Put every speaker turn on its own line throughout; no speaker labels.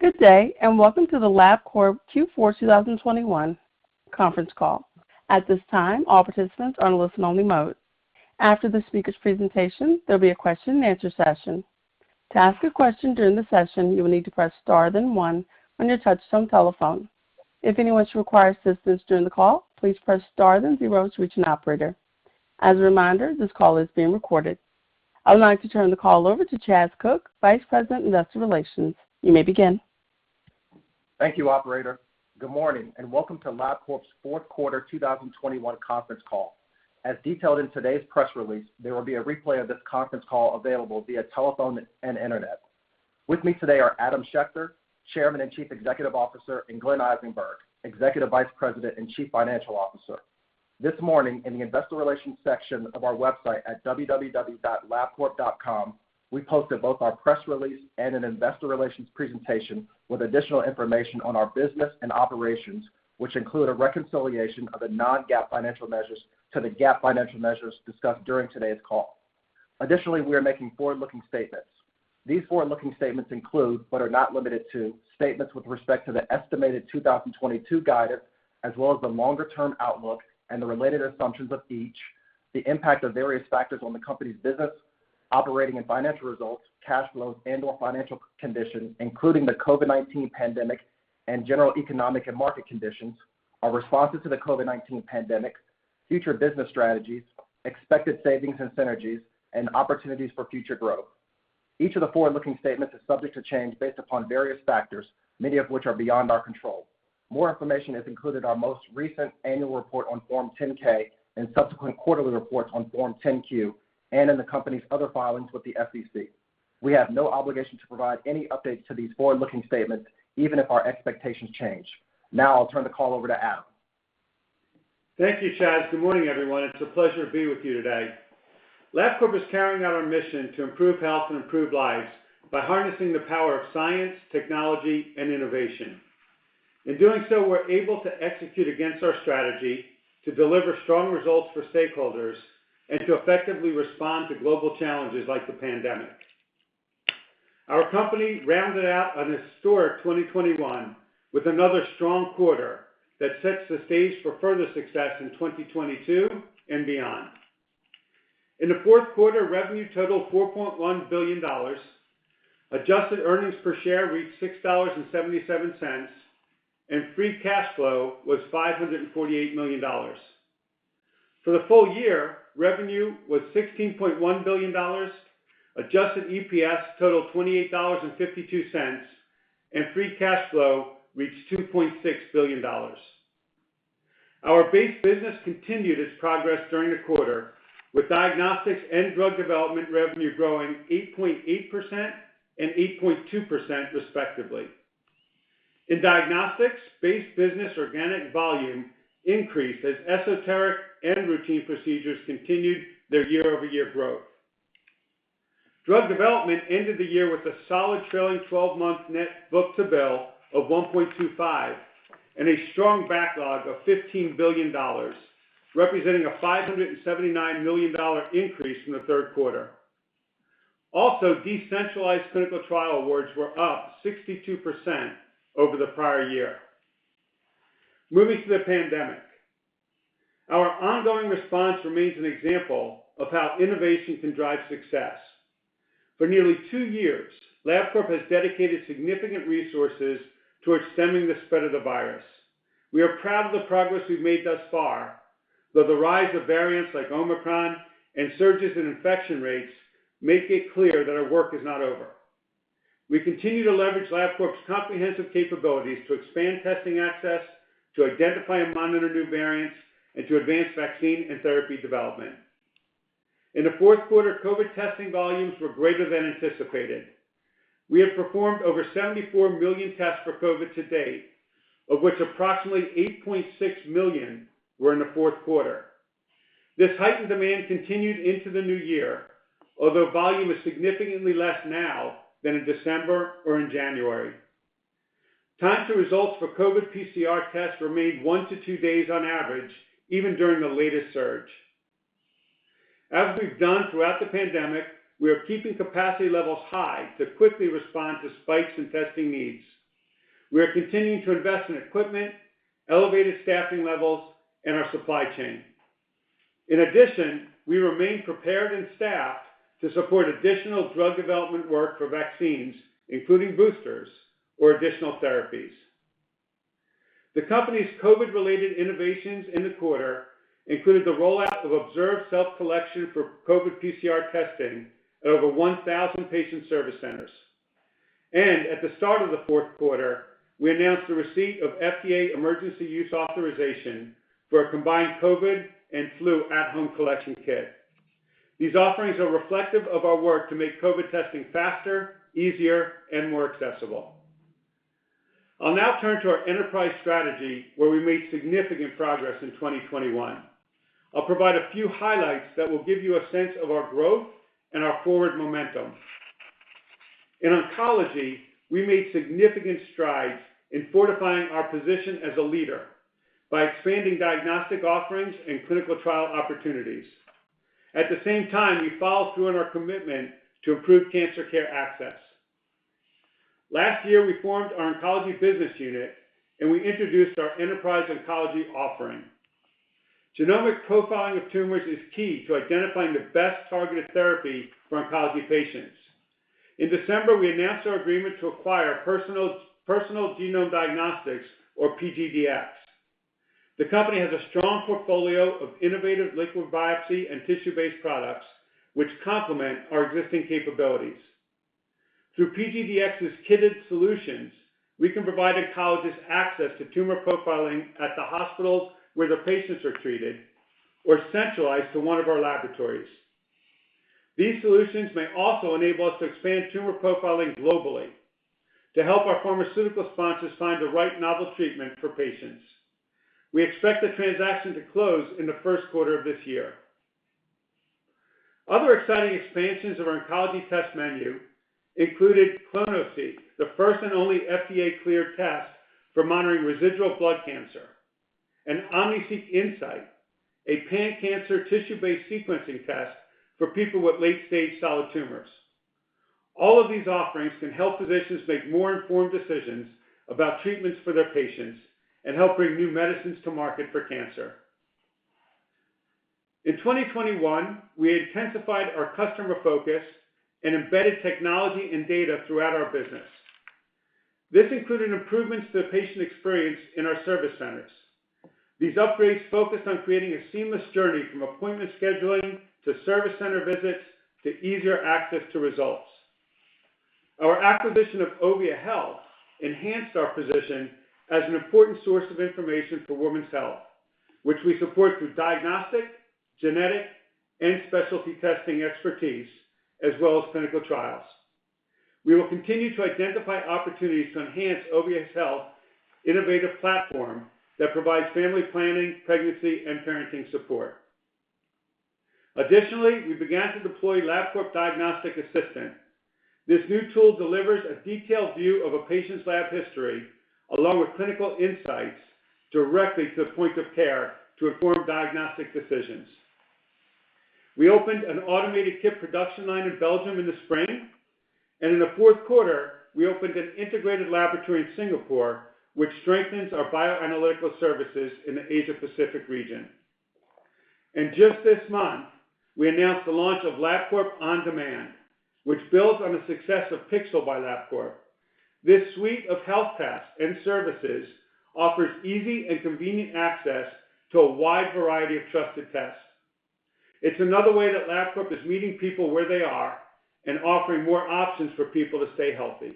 =Good day, and welcome to the Labcorp Q4 2021 conference call. At this time, all participants are in listen-only mode. After the speaker's presentation, there'll be a question and answer session. To ask a question during the session, you will need to press star then one on your touchtone telephone. If anyone should require assistance during the call, please press star then zero to reach an operator. As a reminder, this call is being recorded. I would like to turn the call over to Chas Cook, Vice President, Investor Relations. You may begin.
Thank you, operator. Good morning, and welcome to Labcorp's fourth quarter 2021 conference call. As detailed in today's press release, there will be a replay of this conference call available via telephone and internet. With me today are Adam Schechter, Chairman and Chief Executive Officer, and Glenn Eisenberg, Executive Vice President and Chief Financial Officer. This morning, in the investor relations section of our website at www.labcorp.com, we posted both our press release and an investor relations presentation with additional information on our business and operations, which include a reconciliation of the non-GAAP financial measures to the GAAP financial measures discussed during today's call. Additionally, we are making forward-looking statements. These forward-looking statements include, but are not limited to, statements with respect to the estimated 2022 guidance, as well as the longer-term outlook and the related assumptions of each, the impact of various factors on the company's business, operating and financial results, cash flows, and/or financial condition, including the COVID-19 pandemic and general economic and market conditions, our responses to the COVID-19 pandemic, future business strategies, expected savings and synergies, and opportunities for future growth. Each of the forward-looking statements is subject to change based upon various factors, many of which are beyond our control. More information is included in our most recent annual report on Form 10-K and subsequent quarterly reports on Form 10-Q, and in the company's other filings with the SEC. We have no obligation to provide any updates to these forward-looking statements even if our expectations change. Now I'll turn the call over to Adam.
Thank you, Chas. Good morning, everyone. It's a pleasure to be with you today. Labcorp is carrying out our mission to improve health and improve lives by harnessing the power of science, technology, and innovation. In doing so, we're able to execute against our strategy to deliver strong results for stakeholders and to effectively respond to global challenges like the pandemic. Our company rounded out a historic 2021 with another strong quarter that sets the stage for further success in 2022 and beyond. In the fourth quarter, revenue totaled $4.1 billion, adjusted earnings per share reached $6.77, and free cash flow was $548 million. For the full year, revenue was $16.1 billion, adjusted EPS totaled $28.52, and free cash flow reached $2.6 billion. Our base business continued its progress during the quarter, with diagnostics and drug development revenue growing 8.8% and 8.2% respectively. In diagnostics, base business organic volume increased as esoteric and routine procedures continued their year-over-year growth. Drug development ended the year with a solid trailing twelve-month net book-to-bill of 1.25 and a strong backlog of $15 billion, representing a $579 million increase from the third quarter. Also, decentralized clinical trial awards were up 62% over the prior year. Moving to the pandemic. Our ongoing response remains an example of how innovation can drive success. For nearly two years, Labcorp has dedicated significant resources towards stemming the spread of the virus. We are proud of the progress we've made thus far, though the rise of variants like Omicron and surges in infection rates make it clear that our work is not over. We continue to leverage Labcorp's comprehensive capabilities to expand testing access, to identify and monitor new variants, and to advance vaccine and therapy development. In the fourth quarter, COVID testing volumes were greater than anticipated. We have performed over 74 million tests for COVID to date, of which approximately 8.6 million were in the fourth quarter. This heightened demand continued into the new year, although volume is significantly less now than in December or in January. Time to results for COVID PCR tests remained 1-2 days on average, even during the latest surge. As we've done throughout the pandemic, we are keeping capacity levels high to quickly respond to spikes in testing needs. We are continuing to invest in equipment, elevated staffing levels, and our supply chain. In addition, we remain prepared and staffed to support additional drug development work for vaccines, including boosters or additional therapies. The company's COVID-related innovations in the quarter included the rollout of observed self-collection for COVID PCR testing at over 1,000 patient service centers. At the start of the fourth quarter, we announced the receipt of FDA Emergency Use Authorization for a combined COVID and flu at-home collection kit. These offerings are reflective of our work to make COVID testing faster, easier, and more accessible. I'll now turn to our enterprise strategy, where we made significant progress in 2021. I'll provide a few highlights that will give you a sense of our growth and our forward momentum. In oncology, we made significant strides in fortifying our position as a leader by expanding diagnostic offerings and clinical trial opportunities. At the same time, we followed through on our commitment to improve cancer care access. Last year, we formed our oncology business unit, and we introduced our enterprise oncology offering. Genomic profiling of tumors is key to identifying the best targeted therapy for oncology patients. In December, we announced our agreement to acquire Personal Genome Diagnostics, or PGDx. The company has a strong portfolio of innovative liquid biopsy and tissue-based products, which complement our existing capabilities. Through PGDx's kitted solutions, we can provide oncologists access to tumor profiling at the hospitals where their patients are treated or centralized to one of our laboratories. These solutions may also enable us to expand tumor profiling globally to help our pharmaceutical sponsors find the right novel treatment for patients. We expect the transaction to close in the first quarter of this year. Other exciting expansions of our oncology test menu included clonoSEQ, the first and only FDA-cleared test for monitoring residual blood cancer, and OmniSeq Insight, a pan-cancer tissue-based sequencing test for people with late-stage solid tumors. All of these offerings can help physicians make more informed decisions about treatments for their patients and help bring new medicines to market for cancer. In 2021, we intensified our customer focus and embedded technology and data throughout our business. This included improvements to the patient experience in our service centers. These upgrades focused on creating a seamless journey from appointment scheduling to service center visits to easier access to results. Our acquisition of Ovia Health enhanced our position as an important source of information for women's health, which we support through diagnostic, genetic, and specialty testing expertise as well as clinical trials. We will continue to identify opportunities to enhance Ovia Health's innovative platform that provides family planning, pregnancy, and parenting support. Additionally, we began to deploy LabCorp Diagnostic Assistant. This new tool delivers a detailed view of a patient's lab history along with clinical insights directly to the point of care to inform diagnostic decisions. We opened an automated kit production line in Belgium in the spring, and in the fourth quarter, we opened an integrated laboratory in Singapore, which strengthens our bioanalytical services in the Asia-Pacific region. Just this month, we announced the launch of LabCorp On Demand, which builds on the success of Pixel by LabCorp. This suite of health tests and services offers easy and convenient access to a wide variety of trusted tests. It's another way that Labcorp is meeting people where they are and offering more options for people to stay healthy.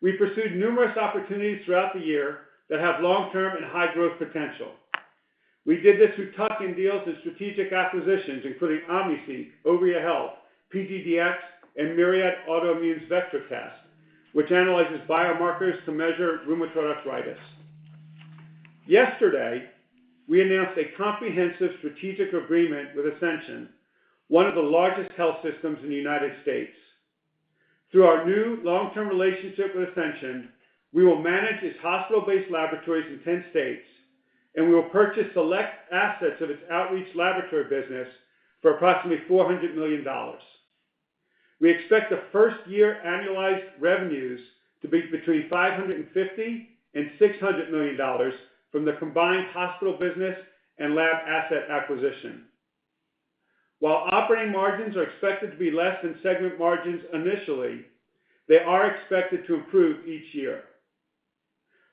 We pursued numerous opportunities throughout the year that have long-term and high-growth potential. We did this through tuck-in deals and strategic acquisitions, including OmniSeq, Ovia Health, PGDx, and Myriad Autoimmune's Vectra test, which analyzes biomarkers to measure rheumatoid arthritis. Yesterday, we announced a comprehensive strategic agreement with Ascension, one of the largest health systems in the United States. Through our new long-term relationship with Ascension, we will manage its hospital-based laboratories in 10 states, and we will purchase select assets of its outreach laboratory business for approximately $400 million. We expect the first year annualized revenues to be between $550 million and $600 million from the combined hospital business and lab asset acquisition. While operating margins are expected to be less than segment margins initially, they are expected to improve each year.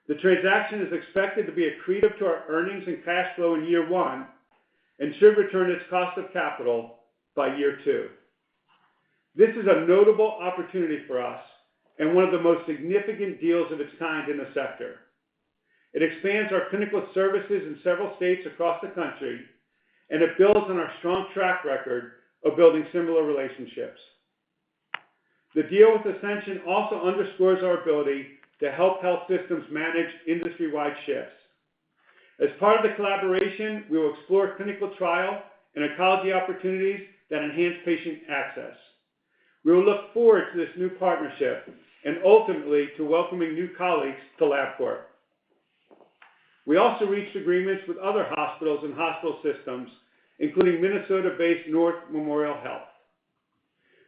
The transaction is expected to be accretive to our earnings and cash flow in year one and should return its cost of capital by year two. This is a notable opportunity for us and one of the most significant deals of its kind in the sector. It expands our clinical services in several states across the country, and it builds on our strong track record of building similar relationships. The deal with Ascension also underscores our ability to help health systems manage industry-wide shifts. As part of the collaboration, we will explore clinical trial and oncology opportunities that enhance patient access. We will look forward to this new partnership and ultimately to welcoming new colleagues to Labcorp. We also reached agreements with other hospitals and hospital systems, including Minnesota-based North Memorial Health.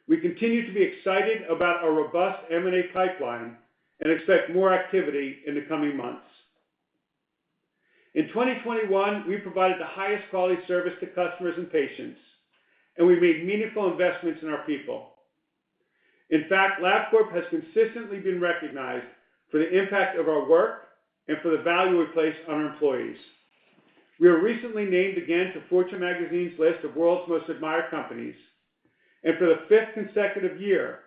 We continue to be excited about our robust M&A pipeline and expect more activity in the coming months. In 2021, we provided the highest quality service to customers and patients, and we made meaningful investments in our people. In fact, Labcorp has consistently been recognized for the impact of our work and for the value we place on our employees. We were recently named again to Fortune magazine's list of World's Most Admired Companies, and for the fifth consecutive year,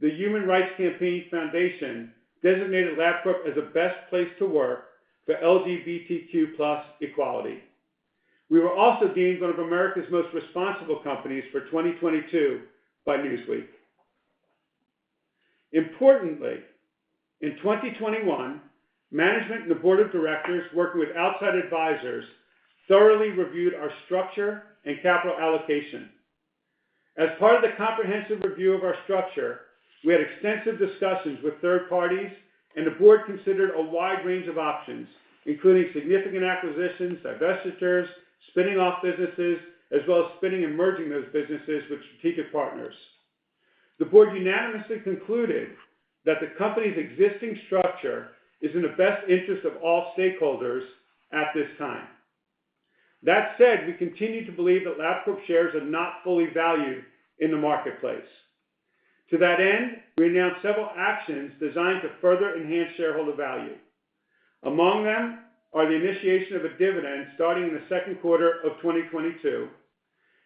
the Human Rights Campaign Foundation designated Labcorp as a best place to work for LGBTQ+ equality. We were also deemed one of America's most responsible companies for 2022 by Newsweek. Importantly, in 2021, management and the board of directors, working with outside advisors, thoroughly reviewed our structure and capital allocation. As part of the comprehensive review of our structure, we had extensive discussions with third parties, and the board considered a wide range of options, including significant acquisitions, divestitures, spinning off businesses, as well as spinning and merging those businesses with strategic partners. The board unanimously concluded that the company's existing structure is in the best interest of all stakeholders at this time. That said, we continue to believe that Labcorp shares are not fully valued in the marketplace. To that end, we announced several actions designed to further enhance shareholder value. Among them are the initiation of a dividend starting in the second quarter of 2022,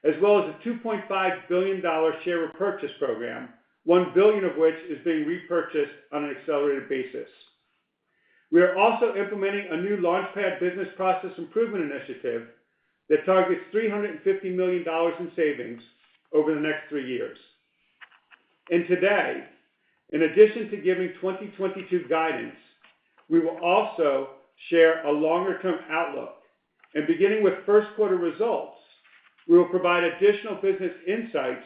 as well as a $2.5 billion share repurchase program, $1 billion of which is being repurchased on an accelerated basis. We are also implementing a new LaunchPad business process improvement initiative that targets $350 million in savings over the next three years. Today, in addition to giving 2022 guidance, we will also share a longer-term outlook. Beginning with first quarter results, we will provide additional business insights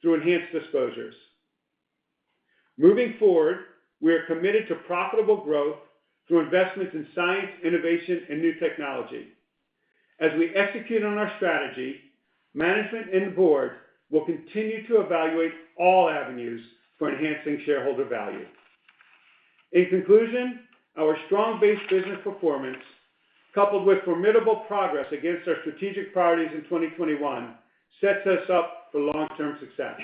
through enhanced disclosures. Moving forward, we are committed to profitable growth through investments in science, innovation, and new technology. As we execute on our strategy, management and the board will continue to evaluate all avenues for enhancing shareholder value. In conclusion, our strong base business performance, coupled with formidable progress against our strategic priorities in 2021, sets us up for long-term success.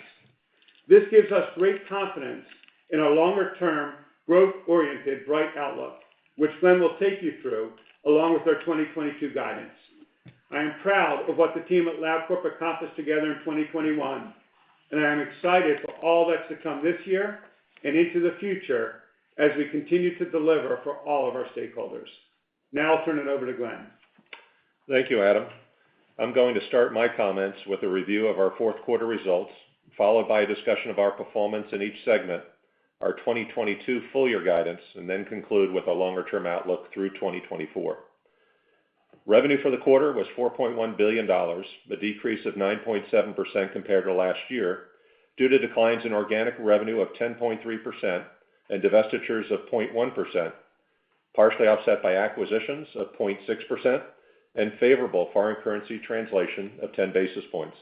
This gives us great confidence in our longer-term, growth-oriented, bright outlook, which Glen will take you through along with our 2022 guidance. I am proud of what the team at Labcorp accomplished together in 2021, and I am excited for all that's to come this year and into the future as we continue to deliver for all of our stakeholders. Now I'll turn it over to Glen.
Thank you, Adam. I'm going to start my comments with a review of our fourth quarter results, followed by a discussion of our performance in each segment, our 2022 full year guidance, and then conclude with a longer-term outlook through 2024. Revenue for the quarter was $4.1 billion, a decrease of 9.7% compared to last year due to declines in organic revenue of 10.3% and divestitures of 0.1%, partially offset by acquisitions of 0.6% and favorable foreign currency translation of 10 basis points.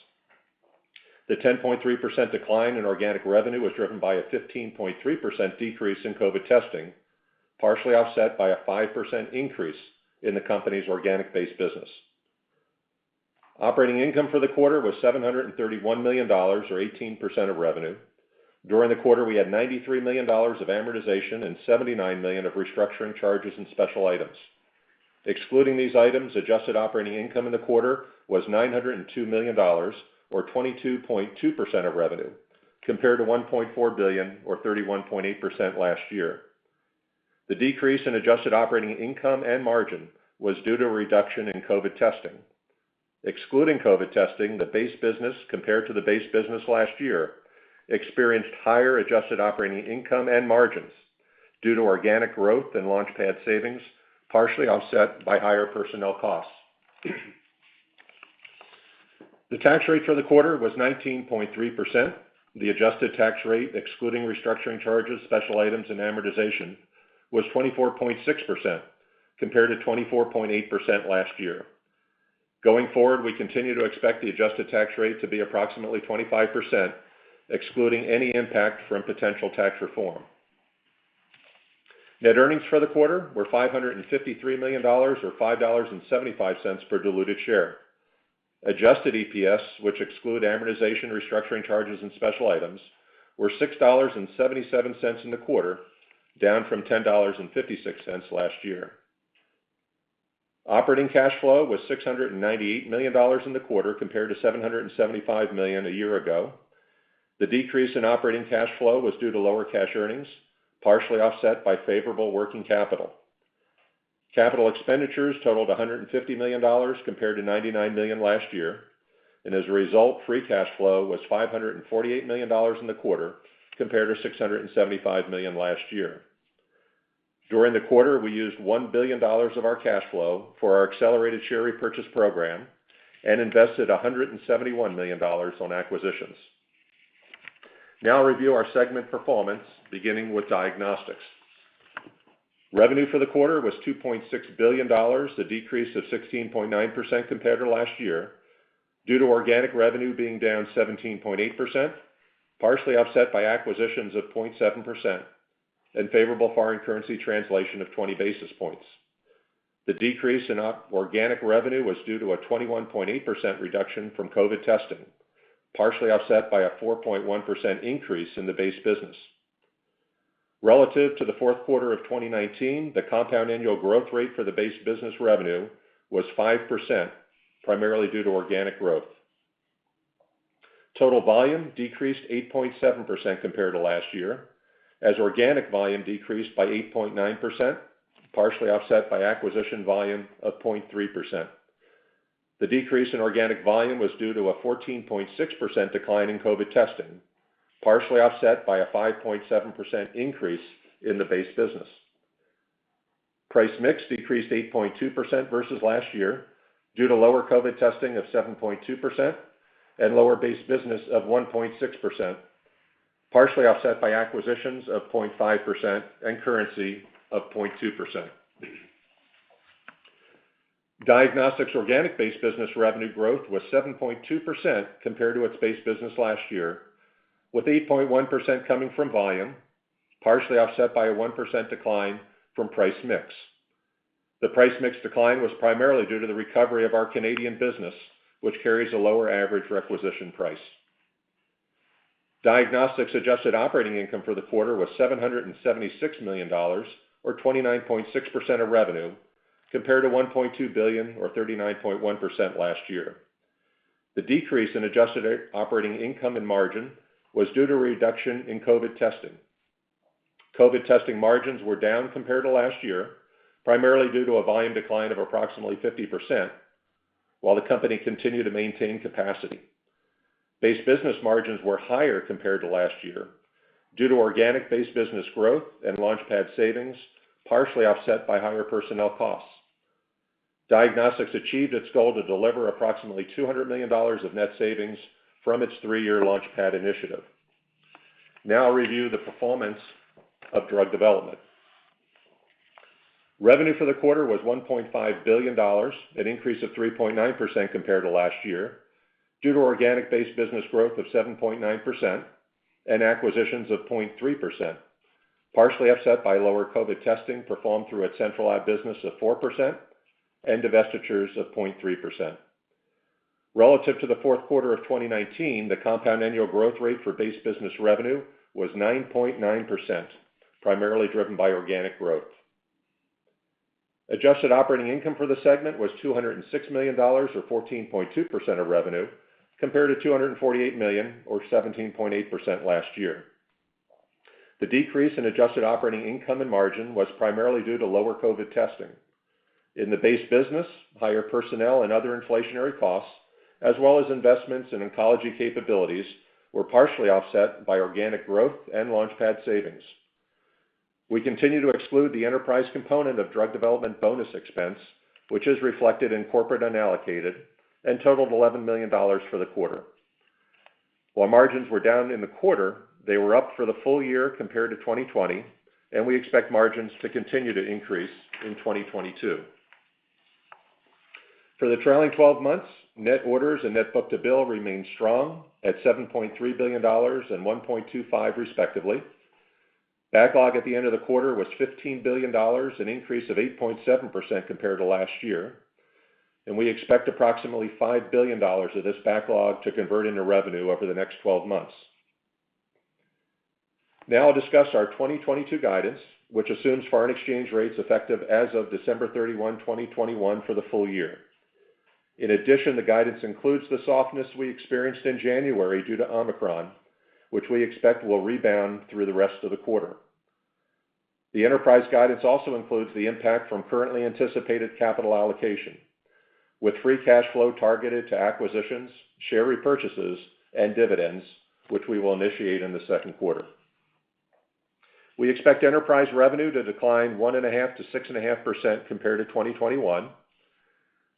The 10.3% decline in organic revenue was driven by a 15.3% decrease in COVID testing, partially offset by a 5% increase in the company's organic base business. Operating income for the quarter was $731 million or 18% of revenue. During the quarter, we had $93 million of amortization and $79 million of restructuring charges and special items. Excluding these items, adjusted operating income in the quarter was $902 million or 22.2% of revenue, compared to $1.4 billion or 31.8% last year. The decrease in adjusted operating income and margin was due to a reduction in COVID testing. Excluding COVID testing, the base business compared to the base business last year experienced higher adjusted operating income and margins due to organic growth and LaunchPad savings, partially offset by higher personnel costs. The tax rate for the quarter was 19.3%. The adjusted tax rate, excluding restructuring charges, special items, and amortization, was 24.6% compared to 24.8% last year. Going forward, we continue to expect the adjusted tax rate to be approximately 25%, excluding any impact from potential tax reform. Net earnings for the quarter were $553 million or $5.75 per diluted share. Adjusted EPS, which exclude amortization, restructuring charges, and special items, were $6.77 in the quarter, down from $10.56 last year. Operating cash flow was $698 million in the quarter compared to $775 million a year ago. The decrease in operating cash flow was due to lower cash earnings, partially offset by favorable working capital. Capital expenditures totaled $150 million compared to $99 million last year. As a result, free cash flow was $548 million in the quarter compared to $675 million last year. During the quarter, we used $1 billion of our cash flow for our accelerated share repurchase program and invested $171 million on acquisitions. Now I'll review our segment performance, beginning with Diagnostics. Revenue for the quarter was $2.6 billion, a decrease of 16.9% compared to last year due to organic revenue being down 17.8%, partially offset by acquisitions of 0.7% and favorable foreign currency translation of 20 basis points. The decrease in organic revenue was due to a 21.8% reduction from COVID testing, partially offset by a 4.1% increase in the base business. Relative to the fourth quarter of 2019, the compound annual growth rate for the base business revenue was 5%, primarily due to organic growth. Total volume decreased 8.7% compared to last year as organic volume decreased by 8.9%, partially offset by acquisition volume of 0.3%. The decrease in organic volume was due to a 14.6% decline in COVID testing, partially offset by a 5.7% increase in the base business. Price mix decreased 8.2% versus last year due to lower COVID testing of 7.2% and lower base business of 1.6%, partially offset by acquisitions of 0.5% and currency of 0.2%. Diagnostics organic base business revenue growth was 7.2% compared to its base business last year, with 8.1% coming from volume, partially offset by a 1% decline from price mix. The price mix decline was primarily due to the recovery of our Canadian business, which carries a lower average requisition price. Diagnostics adjusted operating income for the quarter was $776 million or 29.6% of revenue, compared to $1.2 billion or 39.1% last year. The decrease in adjusted operating income and margin was due to a reduction in COVID testing. COVID testing margins were down compared to last year, primarily due to a volume decline of approximately 50% while the company continued to maintain capacity. Base business margins were higher compared to last year due to organic base business growth and LaunchPad savings, partially offset by higher personnel costs. Diagnostics achieved its goal to deliver approximately $200 million of net savings from its three-year LaunchPad initiative. Now I'll review the performance of drug development. Revenue for the quarter was $1.5 billion, an increase of 3.9% compared to last year, due to organic base business growth of 7.9% and acquisitions of 0.3%, partially offset by lower COVID testing performed through its central lab business of 4% and divestitures of 0.3%. Relative to the fourth quarter of 2019, the compound annual growth rate for base business revenue was 9.9%, primarily driven by organic growth. Adjusted operating income for the segment was $206 million or 14.2% of revenue, compared to $248 million or 17.8% last year. The decrease in adjusted operating income and margin was primarily due to lower COVID testing. In the base business, higher personnel and other inflationary costs, as well as investments in oncology capabilities, were partially offset by organic growth and LaunchPad savings. We continue to exclude the enterprise component of drug development bonus expense, which is reflected in corporate unallocated and totaled $11 million for the quarter. While margins were down in the quarter, they were up for the full year compared to 2020, and we expect margins to continue to increase in 2022. For the trailing twelve months, net orders and net book-to-bill remained strong at $7.3 billion and 1.25 respectively. Backlog at the end of the quarter was $15 billion, an increase of 8.7% compared to last year. We expect approximately $5 billion of this backlog to convert into revenue over the next twelve months. Now I'll discuss our 2022 guidance, which assumes foreign exchange rates effective as of December 31, 2021 for the full year. In addition, the guidance includes the softness we experienced in January due to Omicron, which we expect will rebound through the rest of the quarter. The enterprise guidance also includes the impact from currently anticipated capital allocation, with free cash flow targeted to acquisitions, share repurchases, and dividends, which we will initiate in the second quarter. We expect enterprise revenue to decline 1.5%-6.5% compared to 2021.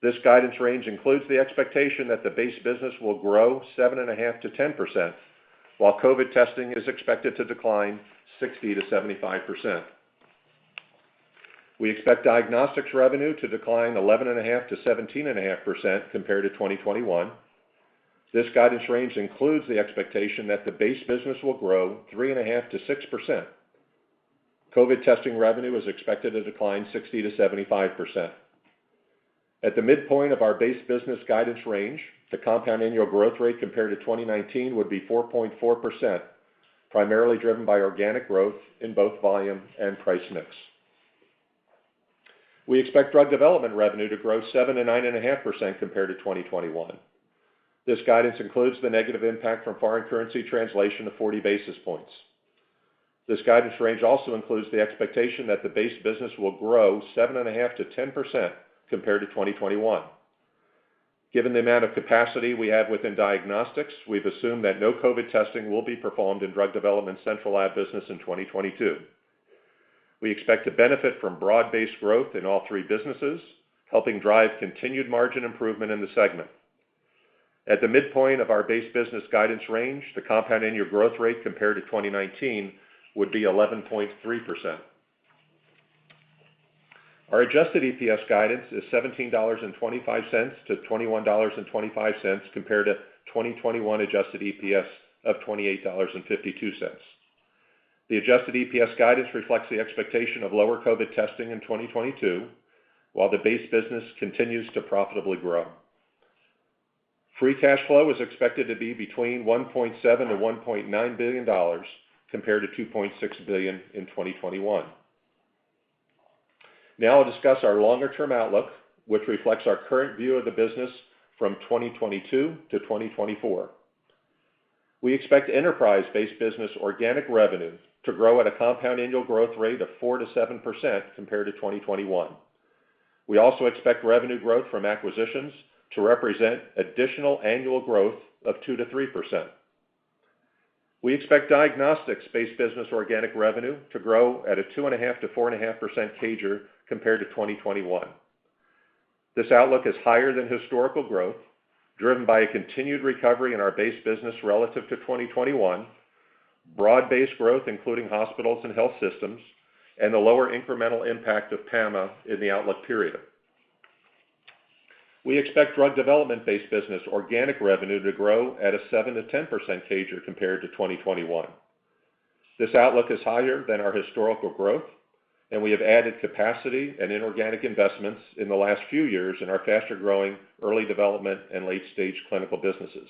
This guidance range includes the expectation that the base business will grow 7.5%-10%, while COVID testing is expected to decline 60%-75%. We expect diagnostics revenue to decline 11.5%-17.5% compared to 2021. This guidance range includes the expectation that the base business will grow 3.5%-6%. COVID testing revenue is expected to decline 60%-75%. At the midpoint of our base business guidance range, the compound annual growth rate compared to 2019 would be 4.4%, primarily driven by organic growth in both volume and price mix. We expect drug development revenue to grow 7%-9.5% compared to 2021. This guidance includes the negative impact from foreign currency translation of 40 basis points. This guidance range also includes the expectation that the base business will grow 7.5%-10% compared to 2021. Given the amount of capacity we have within diagnostics, we've assumed that no COVID testing will be performed in drug development central lab business in 2022. We expect to benefit from broad-based growth in all three businesses, helping drive continued margin improvement in the segment. At the midpoint of our base business guidance range, the compound annual growth rate compared to 2019 would be 11.3%. Our adjusted EPS guidance is $17.25-$21.25 compared to 2021 adjusted EPS of $28.52. The adjusted EPS guidance reflects the expectation of lower COVID testing in 2022 while the base business continues to profitably grow. Free cash flow is expected to be between $1.7 billion-$1.9 billion compared to $2.6 billion in 2021. Now I'll discuss our longer-term outlook, which reflects our current view of the business from 2022 to 2024. We expect enterprise-based business organic revenue to grow at a compound annual growth rate of 4%-7% compared to 2021. We also expect revenue growth from acquisitions to represent additional annual growth of 2%-3%. We expect diagnostics based business organic revenue to grow at a 2.5%-4.5% CAGR compared to 2021. This outlook is higher than historical growth, driven by a continued recovery in our base business relative to 2021, broad-based growth, including hospitals and health systems, and the lower incremental impact of PAMA in the outlook period. We expect drug development based business organic revenue to grow at a 7%-10% CAGR compared to 2021. This outlook is higher than our historical growth, and we have added capacity and inorganic investments in the last few years in our faster-growing early development and late-stage clinical businesses.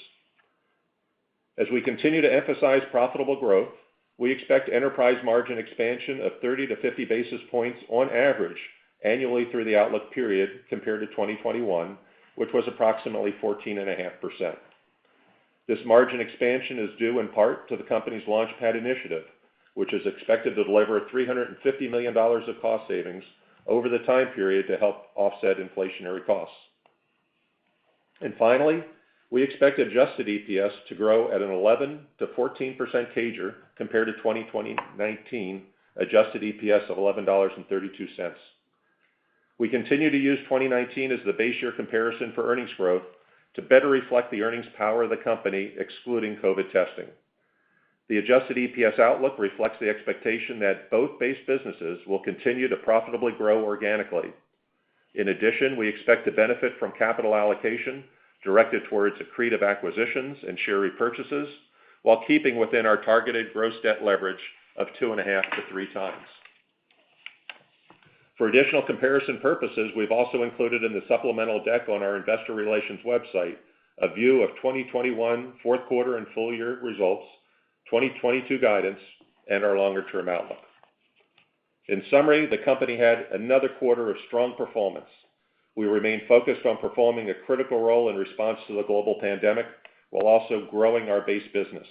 As we continue to emphasize profitable growth, we expect enterprise margin expansion of 30-50 basis points on average annually through the outlook period compared to 2021, which was approximately 14.5%. This margin expansion is due in part to the company's LaunchPad initiative, which is expected to deliver $350 million of cost savings over the time period to help offset inflationary costs. Finally, we expect adjusted EPS to grow at an 11%-14% CAGR compared to 2019 adjusted EPS of $11.32. We continue to use 2019 as the base year comparison for earnings growth to better reflect the earnings power of the company, excluding COVID testing. The adjusted EPS outlook reflects the expectation that both base businesses will continue to profitably grow organically. In addition, we expect to benefit from capital allocation directed towards accretive acquisitions and share repurchases while keeping within our targeted gross debt leverage of 2.5-3 times. For additional comparison purposes, we've also included in the supplemental deck on our investor relations website a view of 2021 fourth quarter and full-year results, 2022 guidance, and our longer-term outlook. In summary, the company had another quarter of strong performance. We remain focused on performing a critical role in response to the global pandemic while also growing our base business.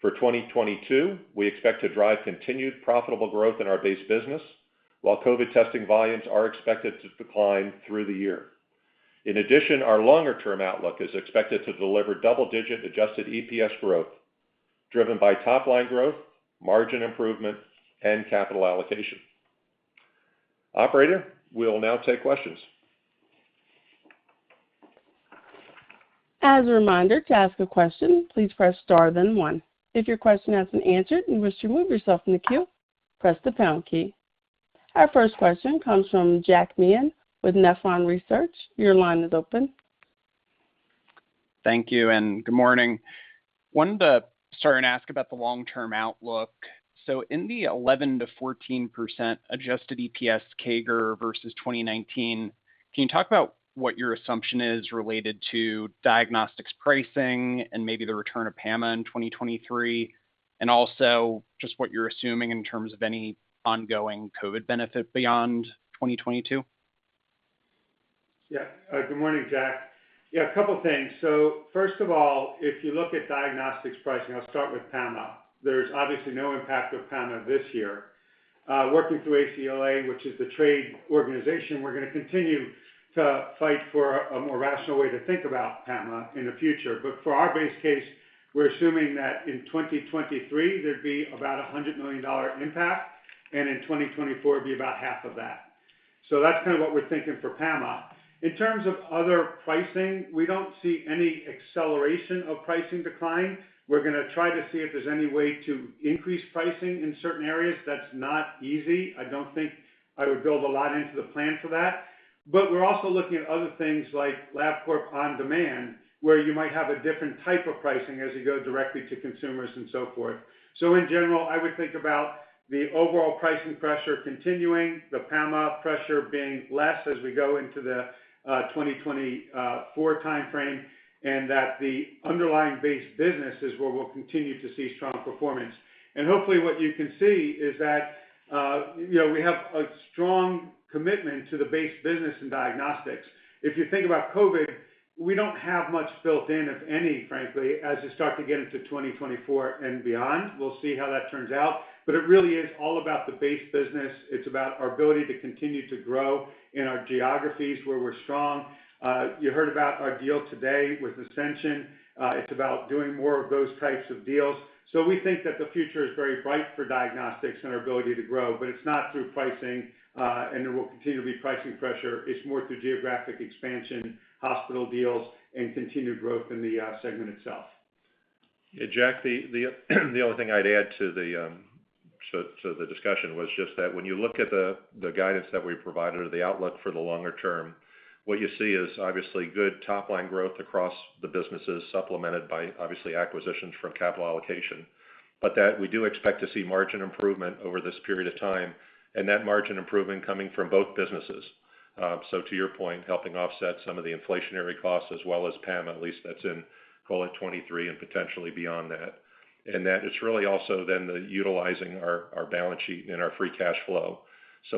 For 2022, we expect to drive continued profitable growth in our base business while COVID testing volumes are expected to decline through the year. In addition, our longer-term outlook is expected to deliver double-digit adjusted EPS growth driven by top line growth, margin improvement, and capital allocation. Operator, we'll now take questions.
As a reminder, to ask a question, please press star then one. If your question has been answered and you wish to remove yourself from the queue, press the pound key. Our first question comes from Jack Meehan with Nephron Research. Your line is open.
Thank you and good morning. I wanted to start and ask about the long-term outlook. In the 11%-14% adjusted EPS CAGR versus 2019, can you talk about what your assumption is related to diagnostics pricing and maybe the return of PAMA in 2023, and also just what you're assuming in terms of any ongoing COVID benefit beyond 2022?
Yeah. Good morning, Jack. Yeah, a couple of things. First of all, if you look at diagnostics pricing, I'll start with PAMA. There's obviously no impact of PAMA this year. Working through ACLA, which is the trade organization, we're gonna continue to fight for a more rational way to think about PAMA in the future. For our base case, we're assuming that in 2023, there'd be about a $100 million impact, and in 2024, it'd be about half of that. That's kind of what we're thinking for PAMA. In terms of other pricing, we don't see any acceleration of pricing decline. We're gonna try to see if there's any way to increase pricing in certain areas. That's not easy. I don't think I would build a lot into the plan for that. We're also looking at other things like LabCorp On Demand, where you might have a different type of pricing as you go directly to consumers and so forth. In general, I would think about the overall pricing pressure continuing, the PAMA pressure being less as we go into the 2024 time frame, and that the underlying base business is where we'll continue to see strong performance. Hopefully, what you can see is that you know, we have a strong commitment to the base business in diagnostics. If you think about COVID, we don't have much built in, if any, frankly, as you start to get into 2024 and beyond. We'll see how that turns out. It really is all about the base business. It's about our ability to continue to grow in our geographies where we're strong. You heard about our deal today with Ascension. It's about doing more of those types of deals. We think that the future is very bright for diagnostics and our ability to grow, but it's not through pricing, and there will continue to be pricing pressure. It's more through geographic expansion, hospital deals, and continued growth in the segment itself.
Yeah, Jack, the only thing I'd add to the discussion was just that when you look at the guidance that we provided or the outlook for the longer term, what you see is obviously good top line growth across the businesses, supplemented by obviously acquisitions from capital allocation, that we do expect to see margin improvement over this period of time, and net margin improvement coming from both businesses, to your point, helping offset some of the inflationary costs as well as PAMA, at least that's in, call it 2023 and potentially beyond that it's really also then the utilizing our balance sheet and our free cash flow,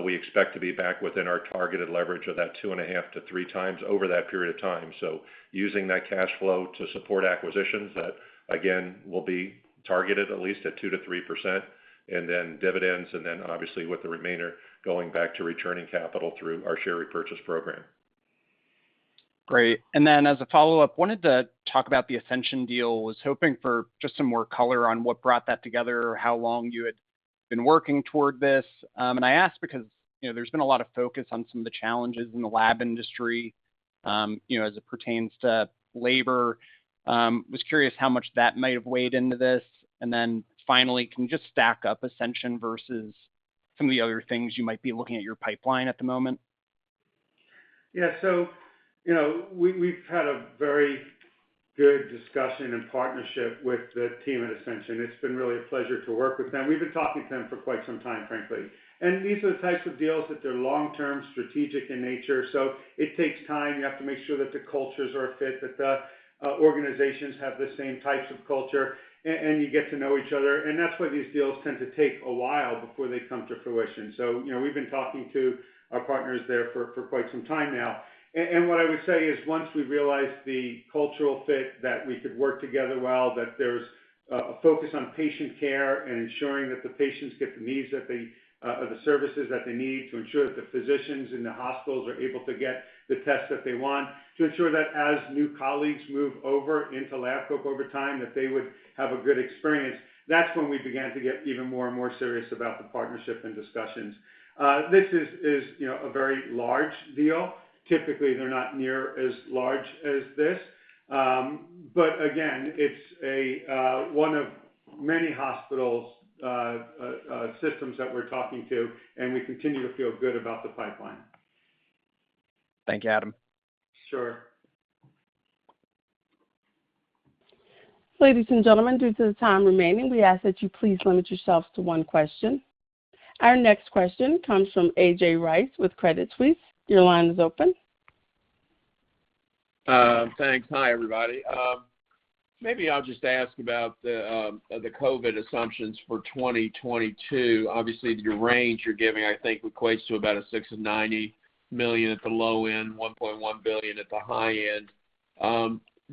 we expect to be back within our targeted leverage of that 2.5-3 times over that period of time. Using that cash flow to support acquisitions, that again will be targeted at least at 2%-3% and then dividends, and then obviously with the remainder going back to returning capital through our share repurchase program.
Great. As a follow-up, I wanted to talk about the Ascension deal. I was hoping for just some more color on what brought that together or how long you had been working toward this. I ask because, you know, there's been a lot of focus on some of the challenges in the lab industry, you know, as it pertains to labor. I was curious how much that may have weighed into this. Finally, can you just stack up Ascension versus some of the other things you might be looking at your pipeline at the moment?
We've had a very good discussion and partnership with the team at Ascension. It's been really a pleasure to work with them. We've been talking to them for quite some time, frankly. These are the types of deals that they're long-term strategic in nature, so it takes time. You have to make sure that the cultures are a fit, that the organizations have the same types of culture, and you get to know each other, and that's why these deals tend to take a while before they come to fruition. You know, we've been talking to our partners there for quite some time now. What I would say is once we realized the cultural fit that we could work together well, that there's a focus on patient care and ensuring that the patients get the needs that they or the services that they need to ensure that the physicians in the hospitals are able to get the tests that they want, to ensure that as new colleagues move over into Labcorp over time, that they would have a good experience. That's when we began to get even more and more serious about the partnership and discussions. This is, you know, a very large deal. Typically, they're not near as large as this. Again, it's one of many hospital systems that we're talking to, and we continue to feel good about the pipeline.
Thank you, Adam.
Sure.
Ladies and gentlemen, due to the time remaining, we ask that you please limit yourselves to one question. Our next question comes from A.J. Rice with Credit Suisse. Your line is open.
Thanks. Hi, everybody. Maybe I'll just ask about the COVID assumptions for 2022. Obviously, your range you're giving, I think, equates to about $690 million at the low end, $1.1 billion at the high end.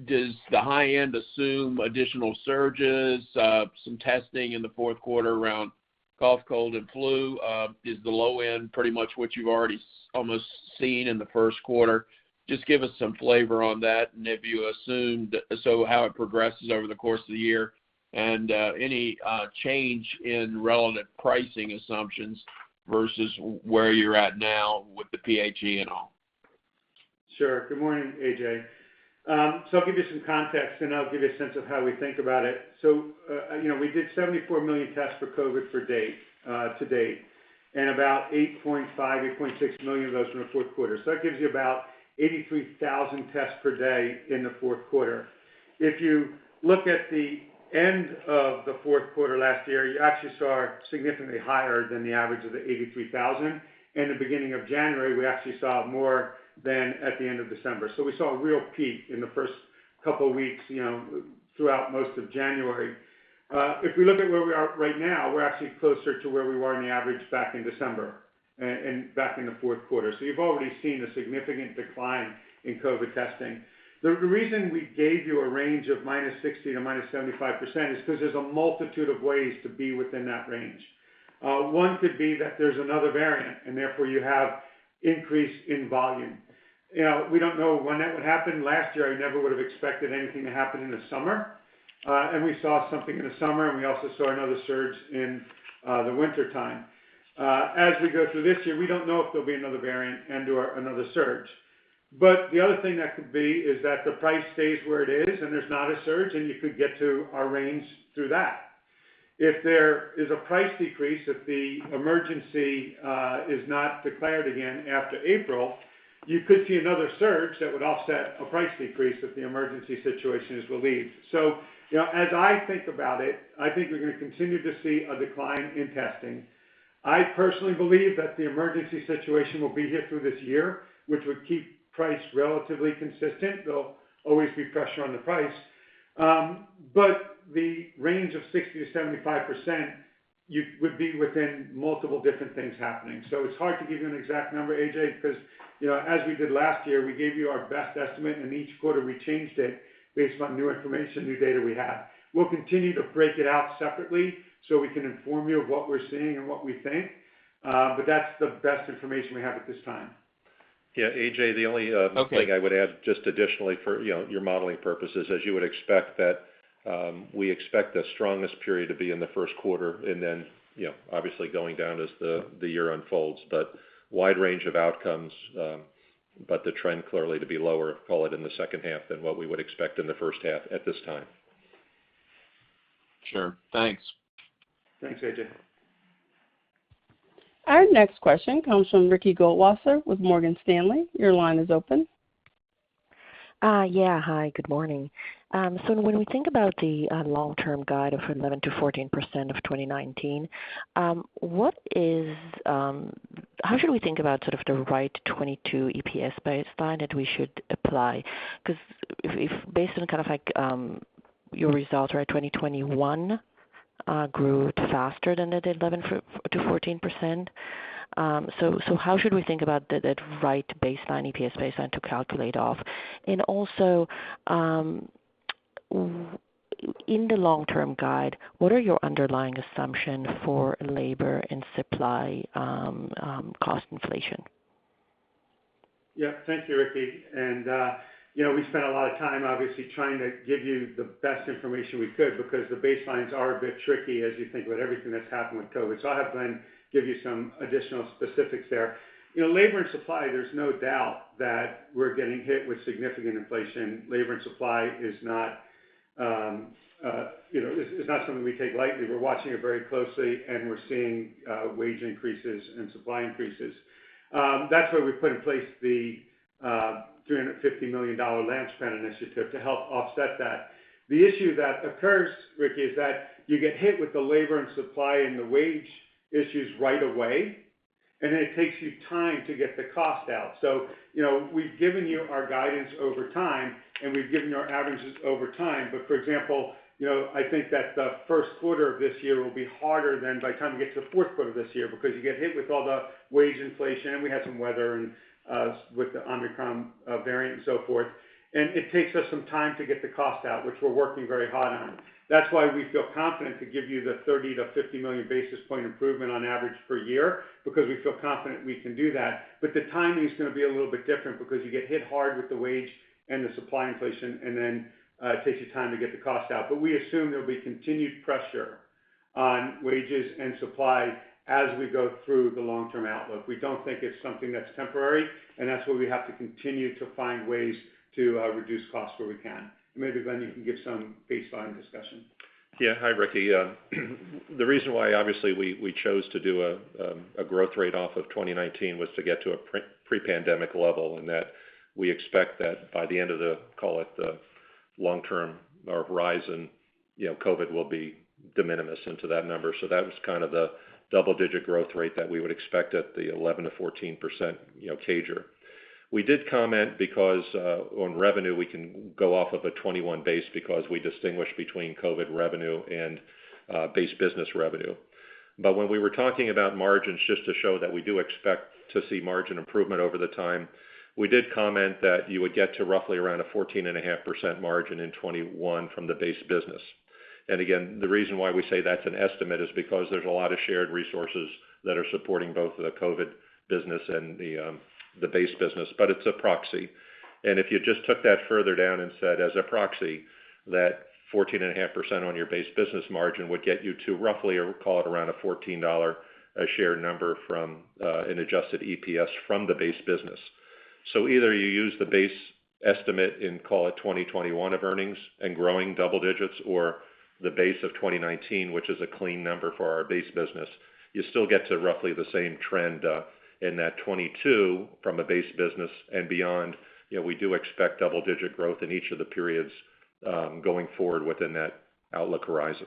Does the high end assume additional surges, some testing in the fourth quarter around cough, cold, and flu? Is the low end pretty much what you've already almost seen in the first quarter? Just give us some flavor on that and if you assumed so how it progresses over the course of the year and any change in relevant pricing assumptions versus where you're at now with the PHE and all.
Sure. Good morning, AJ. I'll give you some context, and I'll give you a sense of how we think about it. You know, we did 74 million tests for COVID year to date, and about 8.5, 8.6 million of those were in the fourth quarter. That gives you about 83,000 tests per day in the fourth quarter. If you look at the end of the fourth quarter last year, you actually saw significantly higher than the average of the 83,000. In the beginning of January, we actually saw more than at the end of December. We saw a real peak in the first couple weeks, you know, throughout most of January. If we look at where we are right now, we're actually closer to where we were in the average back in December and back in the fourth quarter. You've already seen a significant decline in COVID testing. The reason we gave you a range of -60% to -75% is 'cause there's a multitude of ways to be within that range. One could be that there's another variant and therefore you have increase in volume. You know, we don't know when that would happen. Last year, I never would have expected anything to happen in the summer, and we saw something in the summer, and we also saw another surge in the wintertime. As we go through this year, we don't know if there'll be another variant and/or another surge. The other thing that could be is that the price stays where it is, and there's not a surge, and you could get to our range through that. If there is a price decrease, if the emergency is not declared again after April, you could see another surge that would offset a price decrease if the emergency situation is relieved. You know, as I think about it, I think we're gonna continue to see a decline in testing. I personally believe that the emergency situation will be here through this year, which would keep price relatively consistent. There'll always be pressure on the price. The range of 60%-75% you would be within multiple different things happening. It's hard to give you an exact number, A.J., 'cause, you know, as we did last year, we gave you our best estimate, and each quarter we changed it based on new information, new data we have. We'll continue to break it out separately so we can inform you of what we're seeing and what we think. That's the best information we have at this time.
Yeah, A.J., the only,
Okay
One thing I would add just additionally for, you know, your modeling purposes, as you would expect that we expect the strongest period to be in the first quarter and then, you know, obviously going down as the year unfolds. Wide range of outcomes, but the trend clearly to be lower, call it in the second half than what we would expect in the first half at this time.
Sure. Thanks.
Thanks, A.J.
Our next question comes from Ricky Goldwasser with Morgan Stanley. Your line is open.
Yeah. Hi, good morning. When we think about the long-term guide of 11%-14% of 2019, how should we think about sort of the right 2022 EPS baseline that we should apply? 'Cause if based on kind of like your results, right, 2021 grew faster than the 11%-14%. How should we think about the right baseline, EPS baseline to calculate off? Also, In the long-term guide, what are your underlying assumption for labor and supply, cost inflation?
Yeah, thank you, Ricky. You know, we spent a lot of time obviously trying to give you the best information we could because the baselines are a bit tricky as you think about everything that's happened with COVID. I'll have Glenn give you some additional specifics there. You know, labor and supply, there's no doubt that we're getting hit with significant inflation. Labor and supply is not something we take lightly. We're watching it very closely, and we're seeing wage increases and supply increases. That's why we put in place the $350 million LaunchPad initiative to help offset that. The issue that occurs, Ricky, is that you get hit with the labor and supply and the wage issues right away, and then it takes you time to get the cost out. You know, we've given you our guidance over time, and we've given our averages over time. For example, you know, I think that the first quarter of this year will be harder than by the time we get to the fourth quarter of this year because you get hit with all the wage inflation, and we had some weather and with the Omicron variant and so forth. It takes us some time to get the cost out, which we're working very hard on. That's why we feel confident to give you the 30-50 million basis point improvement on average per year because we feel confident we can do that. The timing is gonna be a little bit different because you get hit hard with the wage and the supply inflation, and then it takes you time to get the cost out. We assume there'll be continued pressure on wages and supply as we go through the long-term outlook. We don't think it's something that's temporary, and that's why we have to continue to find ways to reduce costs where we can. Maybe, Glenn, you can give some baseline discussion.
Yeah. Hi, Ricky. The reason why obviously we chose to do a growth rate off of 2019 was to get to a pre-pandemic level, and that we expect that by the end of the, call it, the long-term or horizon, you know, COVID will be de minimis into that number. That was kind of the double-digit growth rate that we would expect at the 11%-14%, you know, CAGR. We did comment because on revenue, we can go off of a 2021 base because we distinguish between COVID revenue and base business revenue. When we were talking about margins, just to show that we do expect to see margin improvement over the time, we did comment that you would get to roughly around a 14.5% margin in 2021 from the base business. Again, the reason why we say that's an estimate is because there's a lot of shared resources that are supporting both the COVID business and the base business, but it's a proxy. If you just took that further down and said as a proxy that 14.5% on your base business margin would get you to roughly call it around a $14 a share number from an adjusted EPS from the base business. Either you use the base estimate and call it 2021 of earnings and growing double digits or the base of 2019, which is a clean number for our base business. You still get to roughly the same trend in that 2022 from a base business and beyond. You know, we do expect double-digit growth in each of the periods, going forward within that outlook horizon.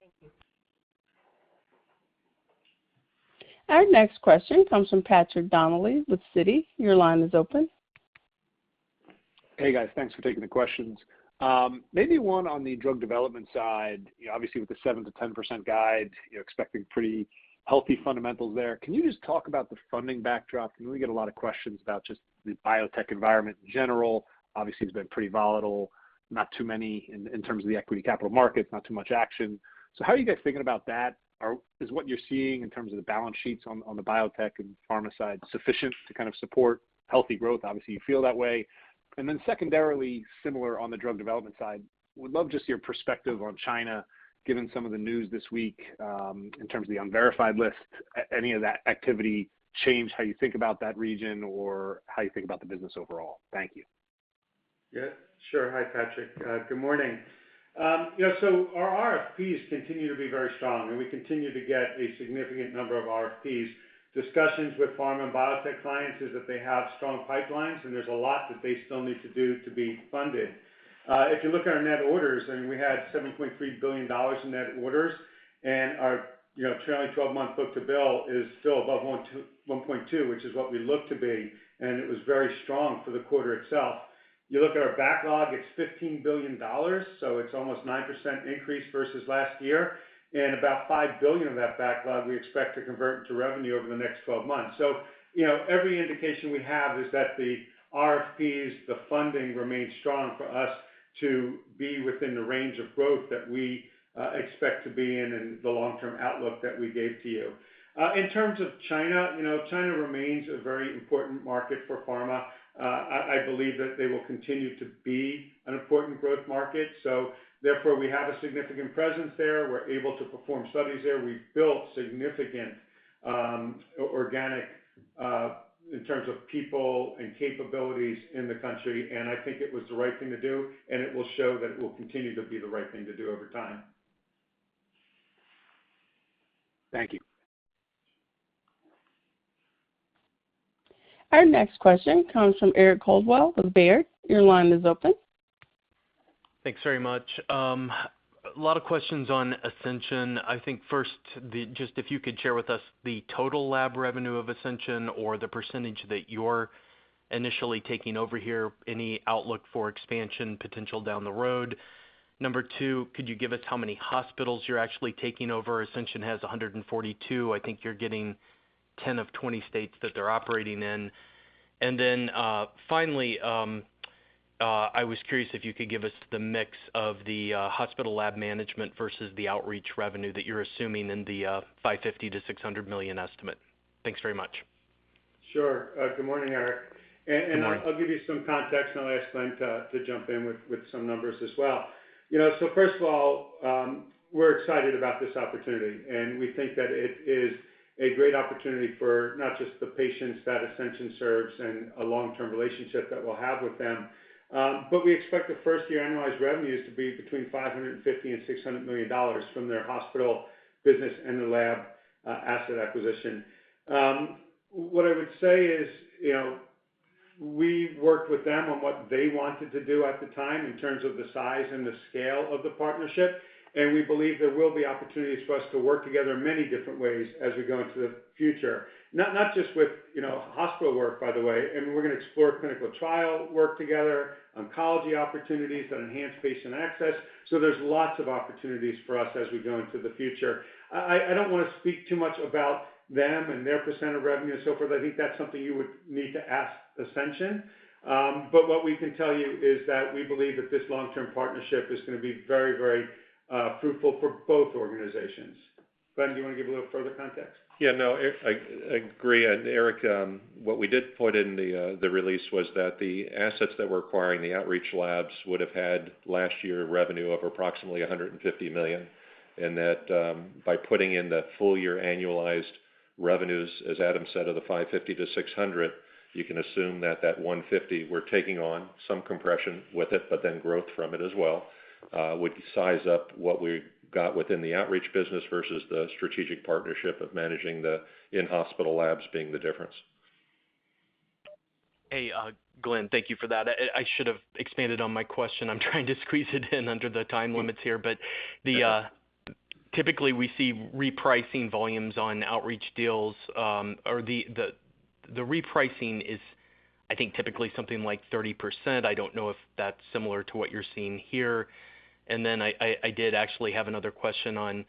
Thank you.
Our next question comes from Patrick Donnelly with Citi. Your line is open.
Hey, guys. Thanks for taking the questions. Maybe one on the drug development side. Obviously, with the 7%-10% guide, you're expecting pretty healthy fundamentals there. Can you just talk about the funding backdrop? We get a lot of questions about just the biotech environment in general. Obviously, it's been pretty volatile, not too many in terms of the equity capital markets, not too much action. So how are you guys thinking about that? Or is what you're seeing in terms of the balance sheets on the biotech and pharma side sufficient to kind of support healthy growth? Obviously, you feel that way. Secondarily, similar on the drug development side, would love just your perspective on China, given some of the news this week, in terms of the unverified list. Any of that activity change how you think about that region or how you think about the business overall? Thank you.
Yeah, sure. Hi, Patrick. Good morning. Yeah, so our RFPs continue to be very strong, and we continue to get a significant number of RFPs. Discussions with pharma and biotech clients is that they have strong pipelines, and there's a lot that they still need to do to be funded. If you look at our net orders, and we had $7.3 billion in net orders, and our, you know, trailing twelve-month book-to-bill is still above 1-1.2, which is what we look to be, and it was very strong for the quarter itself. You look at our backlog, it's $15 billion, so it's almost 9% increase versus last year. About $5 billion of that backlog we expect to convert into revenue over the next twelve months. You know, every indication we have is that the RFPs, the funding remains strong for us to be within the range of growth that we expect to be in in the long-term outlook that we gave to you. In terms of China, you know, China remains a very important market for pharma. I believe that they will continue to be an important growth market. Therefore, we have a significant presence there. We're able to perform studies there. We've built significant organic in terms of people and capabilities in the country, and I think it was the right thing to do, and it will show that it will continue to be the right thing to do over time.
Thank you.
Our next question comes from Eric Coldwell with Baird. Your line is open.
Thanks very much. A lot of questions on Ascension. I think first, just if you could share with us the total lab revenue of Ascension or the percentage that you're initially taking over here, any outlook for expansion potential down the road. Number two, could you give us how many hospitals you're actually taking over? Ascension has 142. I think you're getting 10 of 20 states that they're operating in. Then, finally, I was curious if you could give us the mix of the hospital lab management versus the outreach revenue that you're assuming in the $550 million-$600 million estimate. Thanks very much.
Sure. Good morning, Eric.
Good morning.
I'll give you some context, and I'll ask Glen to jump in with some numbers as well. You know, first of all, we're excited about this opportunity, and we think that it is a great opportunity for not just the patients that Ascension serves and a long-term relationship that we'll have with them. We expect the first-year annualized revenues to be between $550 million and $600 million from their hospital business and the lab asset acquisition. What I would say is, you know, we worked with them on what they wanted to do at the time in terms of the size and the scale of the partnership, and we believe there will be opportunities for us to work together in many different ways as we go into the future. Not just with, you know, hospital work, by the way, and we're gonna explore clinical trial work together, oncology opportunities that enhance patient access. There's lots of opportunities for us as we go into the future. I don't wanna speak too much about them and their percent of revenue and so forth. I think that's something you would need to ask Ascension. What we can tell you is that we believe that this long-term partnership is gonna be very fruitful for both organizations. Glenn, do you wanna give a little further context?
Yeah, no, Eric, I agree. Eric, what we did put in the release was that the assets that we're acquiring, the outreach labs, would've had last year revenue of approximately $150 million, and that by putting in the full year annualized revenues, as Adam said, of the $550 million-$600 million, you can assume that that $150 million we're taking on some compression with it, but then growth from it as well would size up what we got within the outreach business versus the strategic partnership of managing the in-hospital labs being the difference.
Hey, Glenn, thank you for that. I should have expanded on my question. I'm trying to squeeze it in under the time limits here. Typically we see repricing volumes on outreach deals, or the repricing is I think typically something like 30%. I don't know if that's similar to what you're seeing here. I did actually have another question on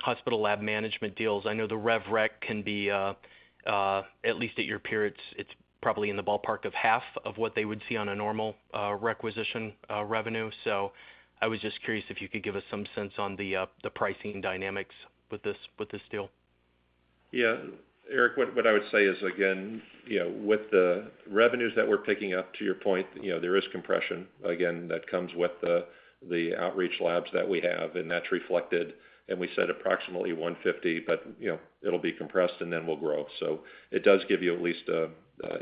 hospital lab management deals. I know the rev rec can be at least at your periods, it's probably in the ballpark of half of what they would see on a normal requisition revenue. I was just curious if you could give us some sense on the pricing dynamics with this deal.
Yeah. Eric, what I would say is, again, you know, with the revenues that we're picking up, to your point, you know, there is compression again that comes with the outreach labs that we have, and that's reflected. We said approximately 150, but, you know, it'll be compressed and then we'll grow. It does give you at least an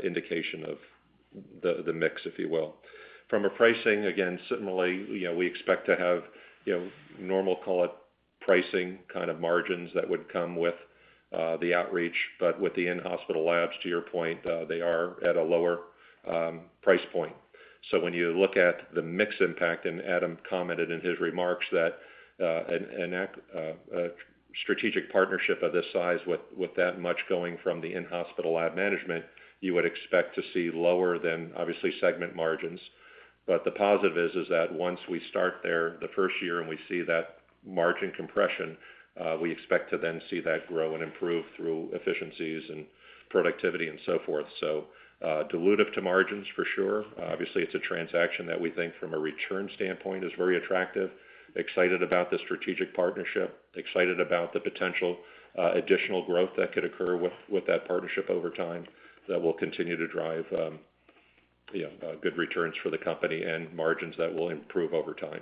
indication of the mix, if you will. From a pricing, again, certainly, you know, we expect to have, you know, normal, call it pricing kind of margins that would come with the outreach, but with the in-hospital labs, to your point, they are at a lower price point. When you look at the mix impact, and Adam commented in his remarks that a strategic partnership of this size with that much going from the in-hospital lab management, you would expect to see lower than obviously segment margins. But the positive is that once we start there the first year and we see that margin compression, we expect to then see that grow and improve through efficiencies and productivity and so forth. Dilutive to margins for sure. Obviously, it's a transaction that we think from a return standpoint is very attractive. Excited about the strategic partnership, excited about the potential, additional growth that could occur with that partnership over time, that will continue to drive good returns for the company and margins that will improve over time.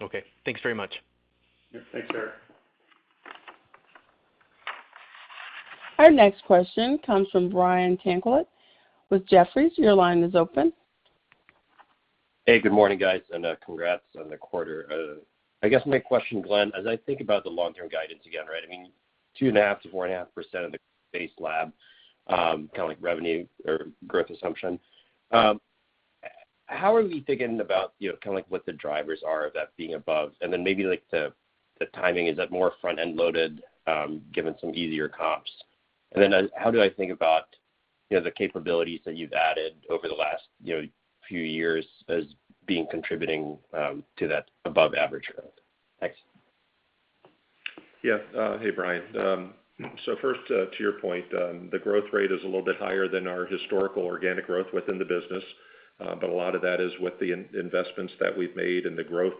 Okay. Thanks very much.
Yeah. Thanks, Eric.
Our next question comes from Brian Tanquilut with Jefferies. Your line is open.
Hey, good morning, guys, and congrats on the quarter. I guess my question, Glenn, as I think about the long-term guidance again, right? I mean, 2.5%-4.5% of the base lab, kind of like revenue or growth assumption. How are we thinking about, you know, kinda like what the drivers are of that being above? And then maybe like the timing, is it more front-end loaded, given some easier comps? And then how do I think about, you know, the capabilities that you've added over the last, you know, few years as being contributing to that above average growth? Thanks.
Yeah. Hey, Brian. First, to your point, the growth rate is a little bit higher than our historical organic growth within the business, but a lot of that is with the investments that we've made and the growth,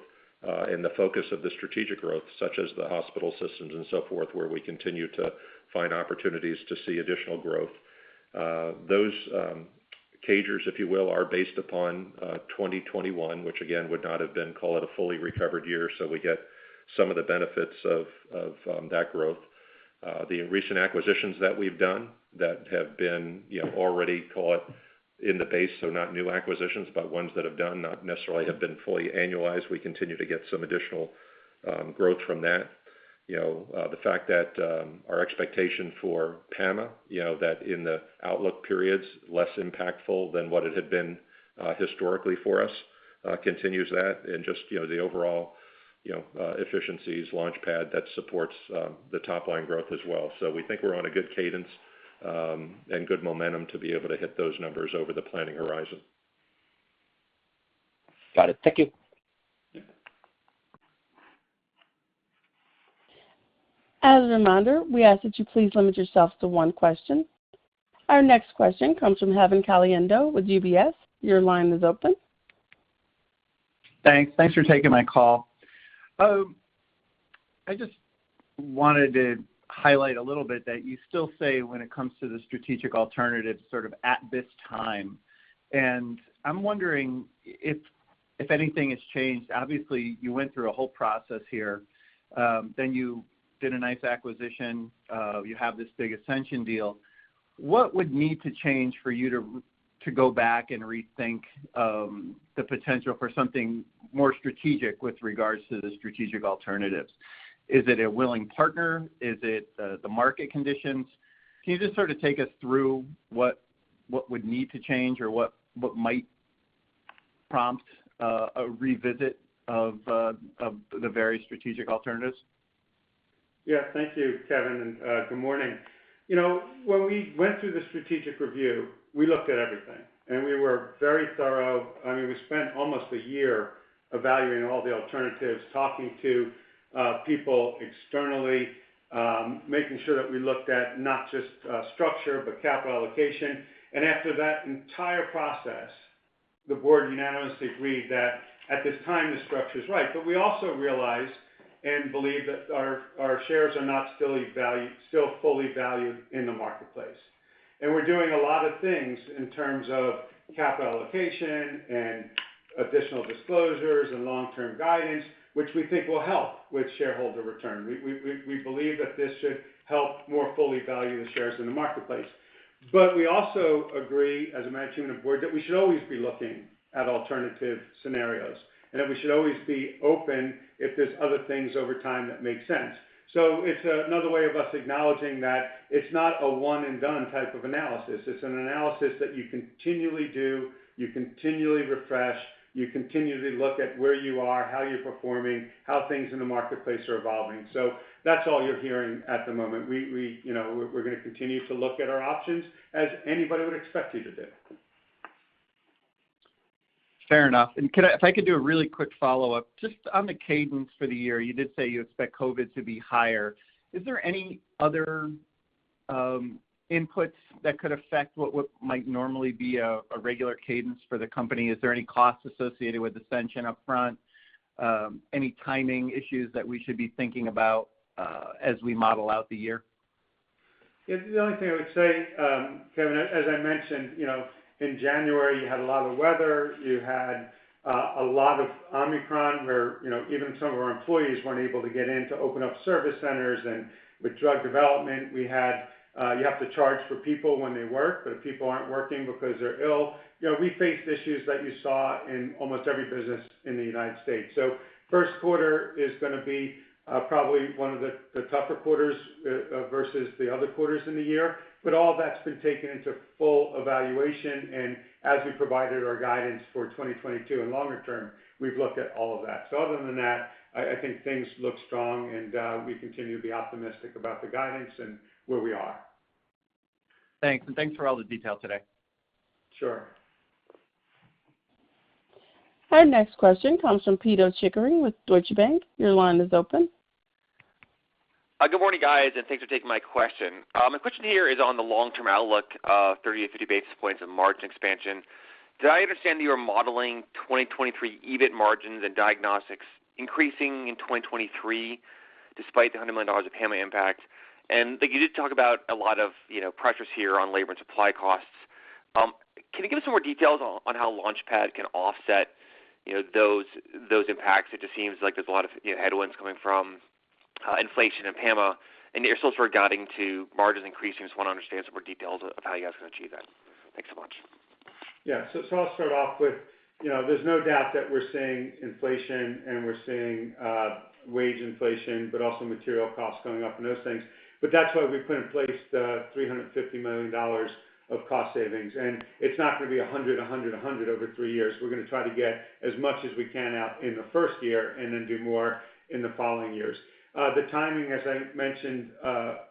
and the focus of the strategic growth, such as the hospital systems and so forth, where we continue to find opportunities to see additional growth. Those CAGRs, if you will, are based upon 2021, which again would not have been, call it, a fully recovered year, so we get some of the benefits of that growth. The recent acquisitions that we've done that have been, you know, already, call it, in the base, so not new acquisitions, but ones that have not necessarily been fully annualized. We continue to get some additional growth from that. You know, the fact that our expectation for PAMA, you know, that in the outlook periods, less impactful than what it had been historically for us, continues that. Just, you know, the overall, you know, efficiencies LaunchPad that supports the top line growth as well. We think we're on a good cadence and good momentum to be able to hit those numbers over the planning horizon.
Got it. Thank you.
Yeah.
As a reminder, we ask that you please limit yourselves to one question. Our next question comes from Kevin Caliendo with UBS. Your line is open.
Thanks. Thanks for taking my call. I just wanted to highlight a little bit that you still say when it comes to the strategic alternative sort of at this time, and I'm wondering if anything has changed. Obviously, you went through a whole process here, then you did a nice acquisition. You have this big Ascension deal. What would need to change for you to go back and rethink the potential for something more strategic with regards to the strategic alternatives? Is it a willing partner? Is it the market conditions? Can you just sort of take us through what would need to change or what might prompt a revisit of the various strategic alternatives?
Yeah. Thank you, Kevin, and good morning. You know, when we went through the strategic review, we looked at everything, and we were very thorough. I mean, we spent almost a year evaluating all the alternatives, talking to people externally, making sure that we looked at not just structure, but capital allocation. After that entire process, the board unanimously agreed that at this time the structure is right. We also realized and believe that our shares are still not fully valued in the marketplace. We're doing a lot of things in terms of capital allocation and additional disclosures and long-term guidance, which we think will help with shareholder return. We believe that this should help more fully value the shares in the marketplace. We also agree as a management and board that we should always be looking at alternative scenarios and that we should always be open if there's other things over time that make sense. It's another way of us acknowledging that it's not a one and done type of analysis. It's an analysis that you continually do, you continually refresh, you continually look at where you are, how you're performing, how things in the marketplace are evolving. That's all you're hearing at the moment. We, you know, we're gonna continue to look at our options as anybody would expect you to do.
Fair enough. If I could do a really quick follow-up, just on the cadence for the year, you did say you expect COVID to be higher. Is there any other inputs that could affect what might normally be a regular cadence for the company? Is there any cost associated with Ascension upfront? Any timing issues that we should be thinking about as we model out the year?
The only thing I would say, Kevin, as I mentioned, you know, in January, you had a lot of weather. You had a lot of Omicron where, you know, even some of our employees weren't able to get in to open up service centers. With drug development, you have to charge for people when they work, but if people aren't working because they're ill. You know, we faced issues that you saw in almost every business in the United States. First quarter is gonna be probably one of the tougher quarters versus the other quarters in the year. All that's been taken into full evaluation. As we provided our guidance for 2022 and longer term, we've looked at all of that. Other than that, I think things look strong, and we continue to be optimistic about the guidance and where we are.
Thanks, and thanks for all the detail today.
Sure.
Our next question comes from Pito Chickering with Deutsche Bank. Your line is open.
Good morning, guys, and thanks for taking my question. My question here is on the long-term outlook of 30-50 basis points in margin expansion. Did I understand that you were modeling 2023 EBIT margins and diagnostics increasing in 2023 despite the $100 million of PAMA impact? Like, you did talk about a lot of, you know, pressures here on labor and supply costs. Can you give us some more details on how LaunchPad can offset, you know, those impacts? It just seems like there's a lot of, you know, headwinds coming from inflation and PAMA, and you're still sort of guiding to margins increasing. Just wanna understand some more details of how you guys can achieve that. Thanks so much.
I'll start off with, you know, there's no doubt that we're seeing inflation and we're seeing wage inflation, but also material costs going up and those things. That's why we put in place the $350 million of cost savings. It's not gonna be a hundred over three years. We're gonna try to get as much as we can out in the first year and then do more in the following years. The timing, as I mentioned,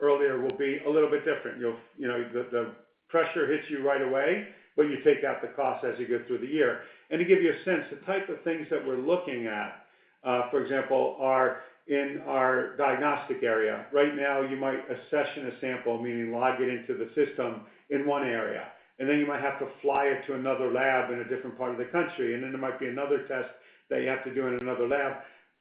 earlier, will be a little bit different. You know, the pressure hits you right away, but you take out the cost as you go through the year. To give you a sense, the type of things that we're looking at, for example, are in our diagnostic area. Right now, you might accession a sample, meaning log it into the system in one area, and then you might have to fly it to another lab in a different part of the country. Then there might be another test that you have to do in another lab.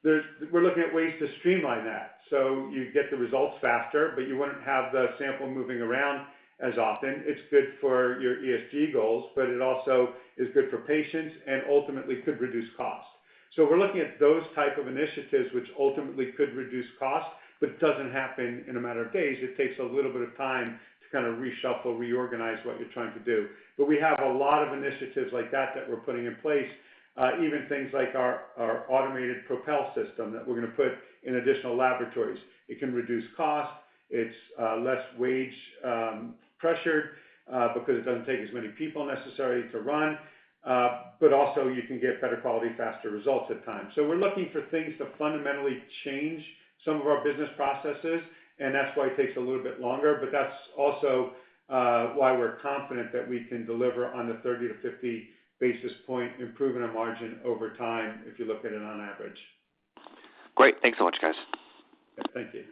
We're looking at ways to streamline that. You get the results faster, but you wouldn't have the sample moving around as often. It's good for your ESG goals, but it also is good for patients and ultimately could reduce cost. We're looking at those type of initiatives which ultimately could reduce cost, but it doesn't happen in a matter of days. It takes a little bit of time to kind of reshuffle, reorganize what you're trying to do. We have a lot of initiatives like that that we're putting in place, even things like our automated Propel® system that we're gonna put in additional laboratories. It can reduce cost. It's less wage pressure because it doesn't take as many people necessarily to run, but also you can get better quality, faster results at times. We're looking for things to fundamentally change some of our business processes, and that's why it takes a little bit longer, but that's also why we're confident that we can deliver on the 30-50 basis point improvement in margin over time if you look at it on average.
Great. Thanks so much, guys.
Thank you.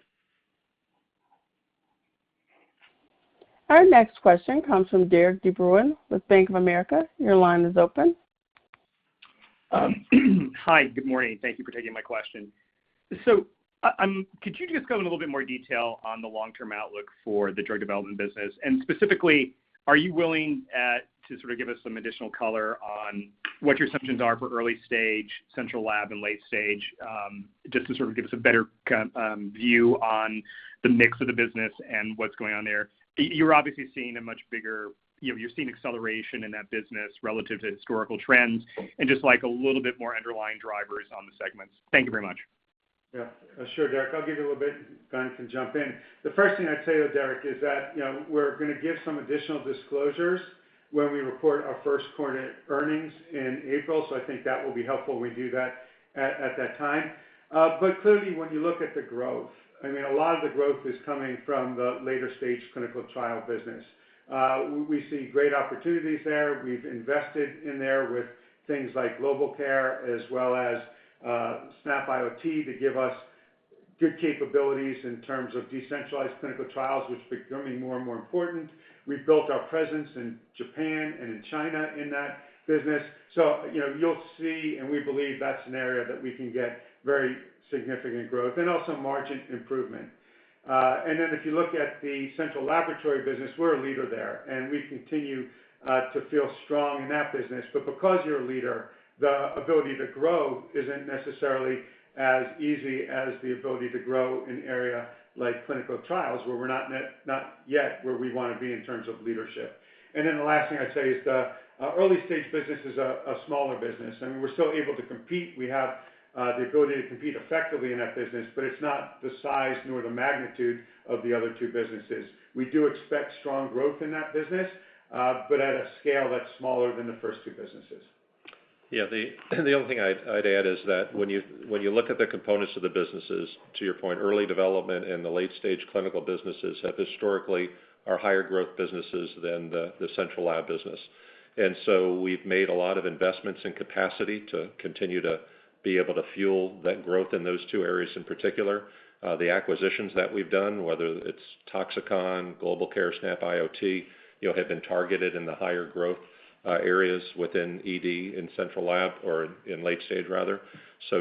Our next question comes from Derik de Bruin with Bank of America. Your line is open.
Hi, good morning. Thank you for taking my question. Could you just go in a little bit more detail on the long-term outlook for the drug development business? Specifically, are you willing to sort of give us some additional color on what your assumptions are for early stage, central lab, and late stage, just to sort of give us a better view on the mix of the business and what's going on there. You're obviously seeing a much bigger. You've seen acceleration in that business relative to historical trends, and I'd like a little bit more underlying drivers on the segments. Thank you very much.
Yeah. Sure, Derik. I'll give you a little bit, Glenn can jump in. The first thing I'd say though, Derik, is that, you know, we're gonna give some additional disclosures when we report our first quarter earnings in April, so I think that will be helpful. We do that at that time. But clearly, when you look at the growth, I mean, a lot of the growth is coming from the later stage clinical trial business. We see great opportunities there. We've invested in there with things like GlobalCare as well as snapIoT to give us good capabilities in terms of decentralized clinical trials, which becoming more and more important. We've built our presence in Japan and in China in that business. You know, you'll see, and we believe that's an area that we can get very significant growth and also margin improvement. If you look at the central laboratory business, we're a leader there, and we continue to feel strong in that business. Because you're a leader, the ability to grow isn't necessarily as easy as the ability to grow in area like clinical trials, where we're not yet where we wanna be in terms of leadership. The last thing I'd say is the early-stage business is a smaller business, and we're still able to compete. We have the ability to compete effectively in that business, but it's not the size nor the magnitude of the other two businesses. We do expect strong growth in that business, but at a scale that's smaller than the first two businesses.
Yeah. The only thing I'd add is that when you look at the components of the businesses, to your point, early development and the late-stage clinical businesses have historically are higher growth businesses than the central lab business. We've made a lot of investments in capacity to continue to be able to fuel that growth in those two areas in particular. The acquisitions that we've done, whether it's Toxikon, GlobalCare, snapIoT, you know, have been targeted in the higher growth areas within ED and central lab or in late stage rather.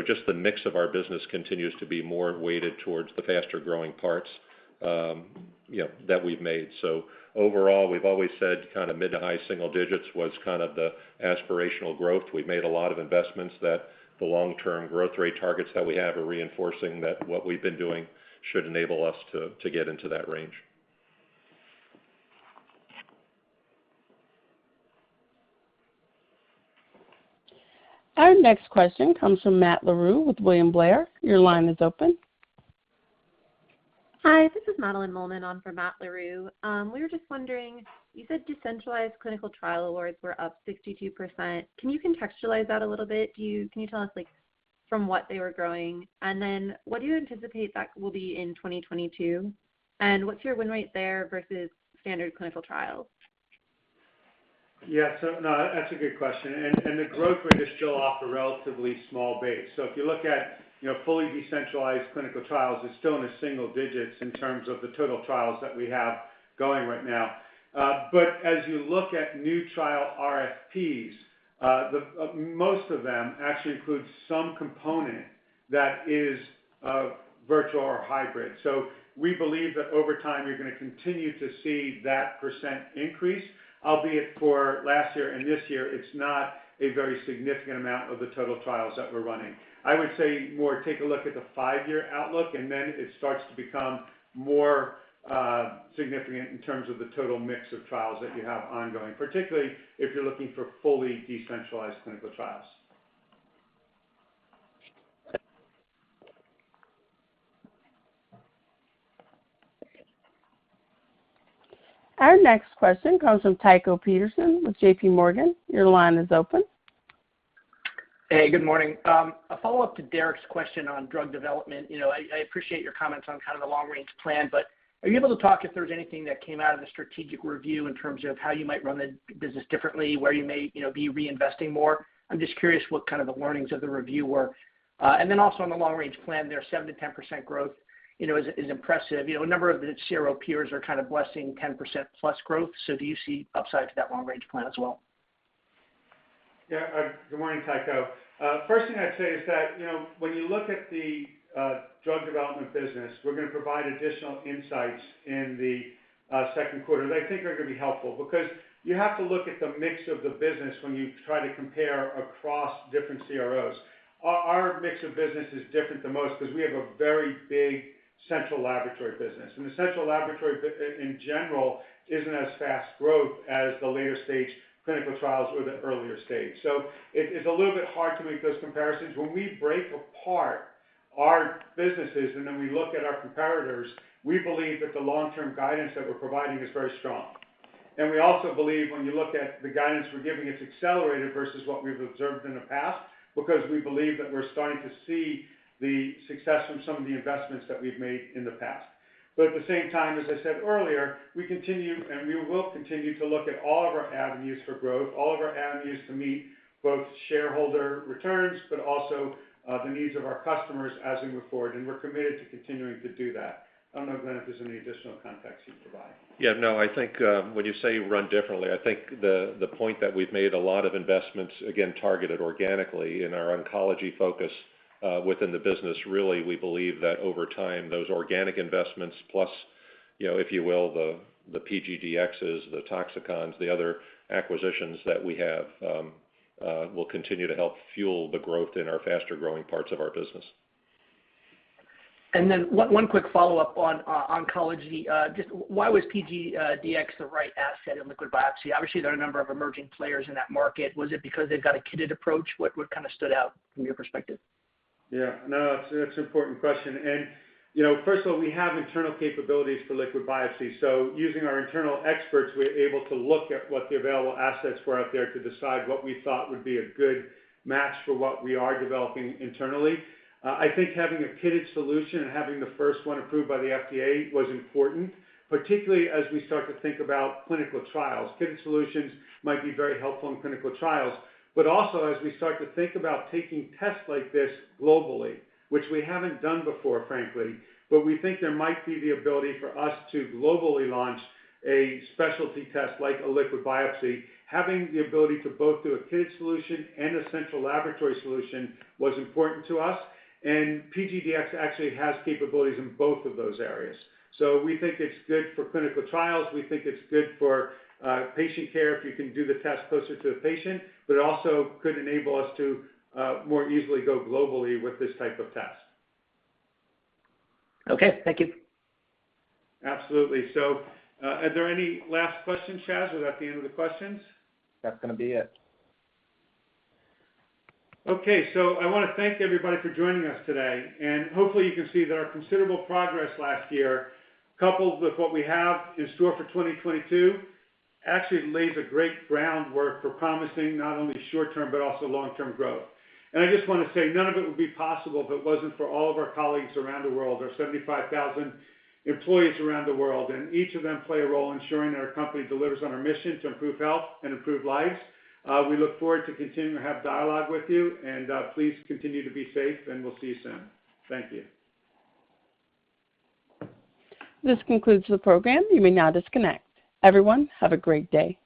Just the mix of our business continues to be more weighted towards the faster-growing parts, you know, that we've made. Overall, we've always said kinda mid to high single digits was kind of the aspirational growth. We've made a lot of investments that the long-term growth rate targets that we have are reinforcing that what we've been doing should enable us to get into that range.
Our next question comes from Matt Larew with William Blair. Your line is open.
Hi, this is Madeline Mollman on for Matt Larew. We were just wondering, you said decentralized clinical trial awards were up 62%. Can you contextualize that a little bit? Can you tell us, like, from what they were growing? What do you anticipate that will be in 2022? What's your win rate there versus standard clinical trials?
Yeah. No, that's a good question. The growth rate is still off a relatively small base. If you look at, you know, fully decentralized clinical trials, it's still in the single digits in terms of the total trials that we have going right now. As you look at new trial RFPs, the most of them actually include some component that is virtual or hybrid. We believe that over time, you're gonna continue to see that percent increase, albeit for last year and this year, it's not a very significant amount of the total trials that we're running. I would say more take a look at the five-year outlook, and then it starts to become more significant in terms of the total mix of trials that you have ongoing, particularly if you're looking for fully decentralized clinical trials.
Our next question comes from Tycho Peterson with JPMorgan. Your line is open.
Hey, good morning. A follow-up to Derik's question on drug development. You know, I appreciate your comments on kind of the long-range plan, but are you able to talk if there's anything that came out of the strategic review in terms of how you might run the business differently, where you may, you know, be reinvesting more? I'm just curious what kind of the learnings of the review were. And then also on the long-range plan there, 7%-10% growth, you know, is impressive. You know, a number of the CRO peers are kind of blessing 10%+ growth. Do you see upside to that long-range plan as well?
Yeah. Good morning, Tycho. First thing I'd say is that, you know, when you look at the drug development business, we're gonna provide additional insights in the second quarter that I think are gonna be helpful because you have to look at the mix of the business when you try to compare across different CROs. Our mix of business is different than most because we have a very big central laboratory business, and the central laboratory business in general isn't as fast growth as the later-stage clinical trials or the earlier stage. It's a little bit hard to make those comparisons. When we break apart our businesses, and then we look at our competitors, we believe that the long-term guidance that we're providing is very strong. We also believe when you look at the guidance we're giving, it's accelerated versus what we've observed in the past because we believe that we're starting to see the success from some of the investments that we've made in the past. At the same time, as I said earlier, we continue and we will continue to look at all of our avenues for growth, all of our avenues to meet both shareholder returns, but also, the needs of our customers as we move forward. We're committed to continuing to do that. I don't know, Glenn, if there's any additional context you'd provide.
Yeah, no, I think, when you say run differently, I think the point that we've made a lot of investments, again, targeted organically in our oncology focus, within the business, really, we believe that over time, those organic investments plus, you know, if you will, the PGDx's, the Toxikons, the other acquisitions that we have, will continue to help fuel the growth in our faster-growing parts of our business.
One quick follow-up on oncology. Just why was PGDx the right asset in liquid biopsy? Obviously, there are a number of emerging players in that market. Was it because they've got a kitted approach? What kinda stood out from your perspective?
Yeah. No, it's an important question. You know, first of all, we have internal capabilities for liquid biopsy. Using our internal experts, we're able to look at what the available assets were out there to decide what we thought would be a good match for what we are developing internally. I think having a kitted solution and having the first one approved by the FDA was important, particularly as we start to think about clinical trials. Kitted solutions might be very helpful in clinical trials, but also as we start to think about taking tests like this globally, which we haven't done before, frankly. We think there might be the ability for us to globally launch a specialty test like a liquid biopsy. Having the ability to both do a kitted solution and a central laboratory solution was important to us, and PGDx actually has capabilities in both of those areas. We think it's good for clinical trials. We think it's good for patient care if you can do the test closer to the patient, but it also could enable us to more easily go globally with this type of test.
Okay. Thank you.
Absolutely. Are there any last questions, Chas, or is that the end of the questions?
That's gonna be it.
Okay. I wanna thank everybody for joining us today, and hopefully you can see that our considerable progress last year, coupled with what we have in store for 2022, actually lays a great groundwork for promising not only short-term but also long-term growth. I just wanna say none of it would be possible if it wasn't for all of our colleagues around the world, our 75,000 employees around the world, and each of them play a role ensuring that our company delivers on our mission to improve health and improve lives. We look forward to continuing to have dialogue with you, and please continue to be safe, and we'll see you soon. Thank you.
This concludes the program. You may now disconnect. Everyone, have a great day.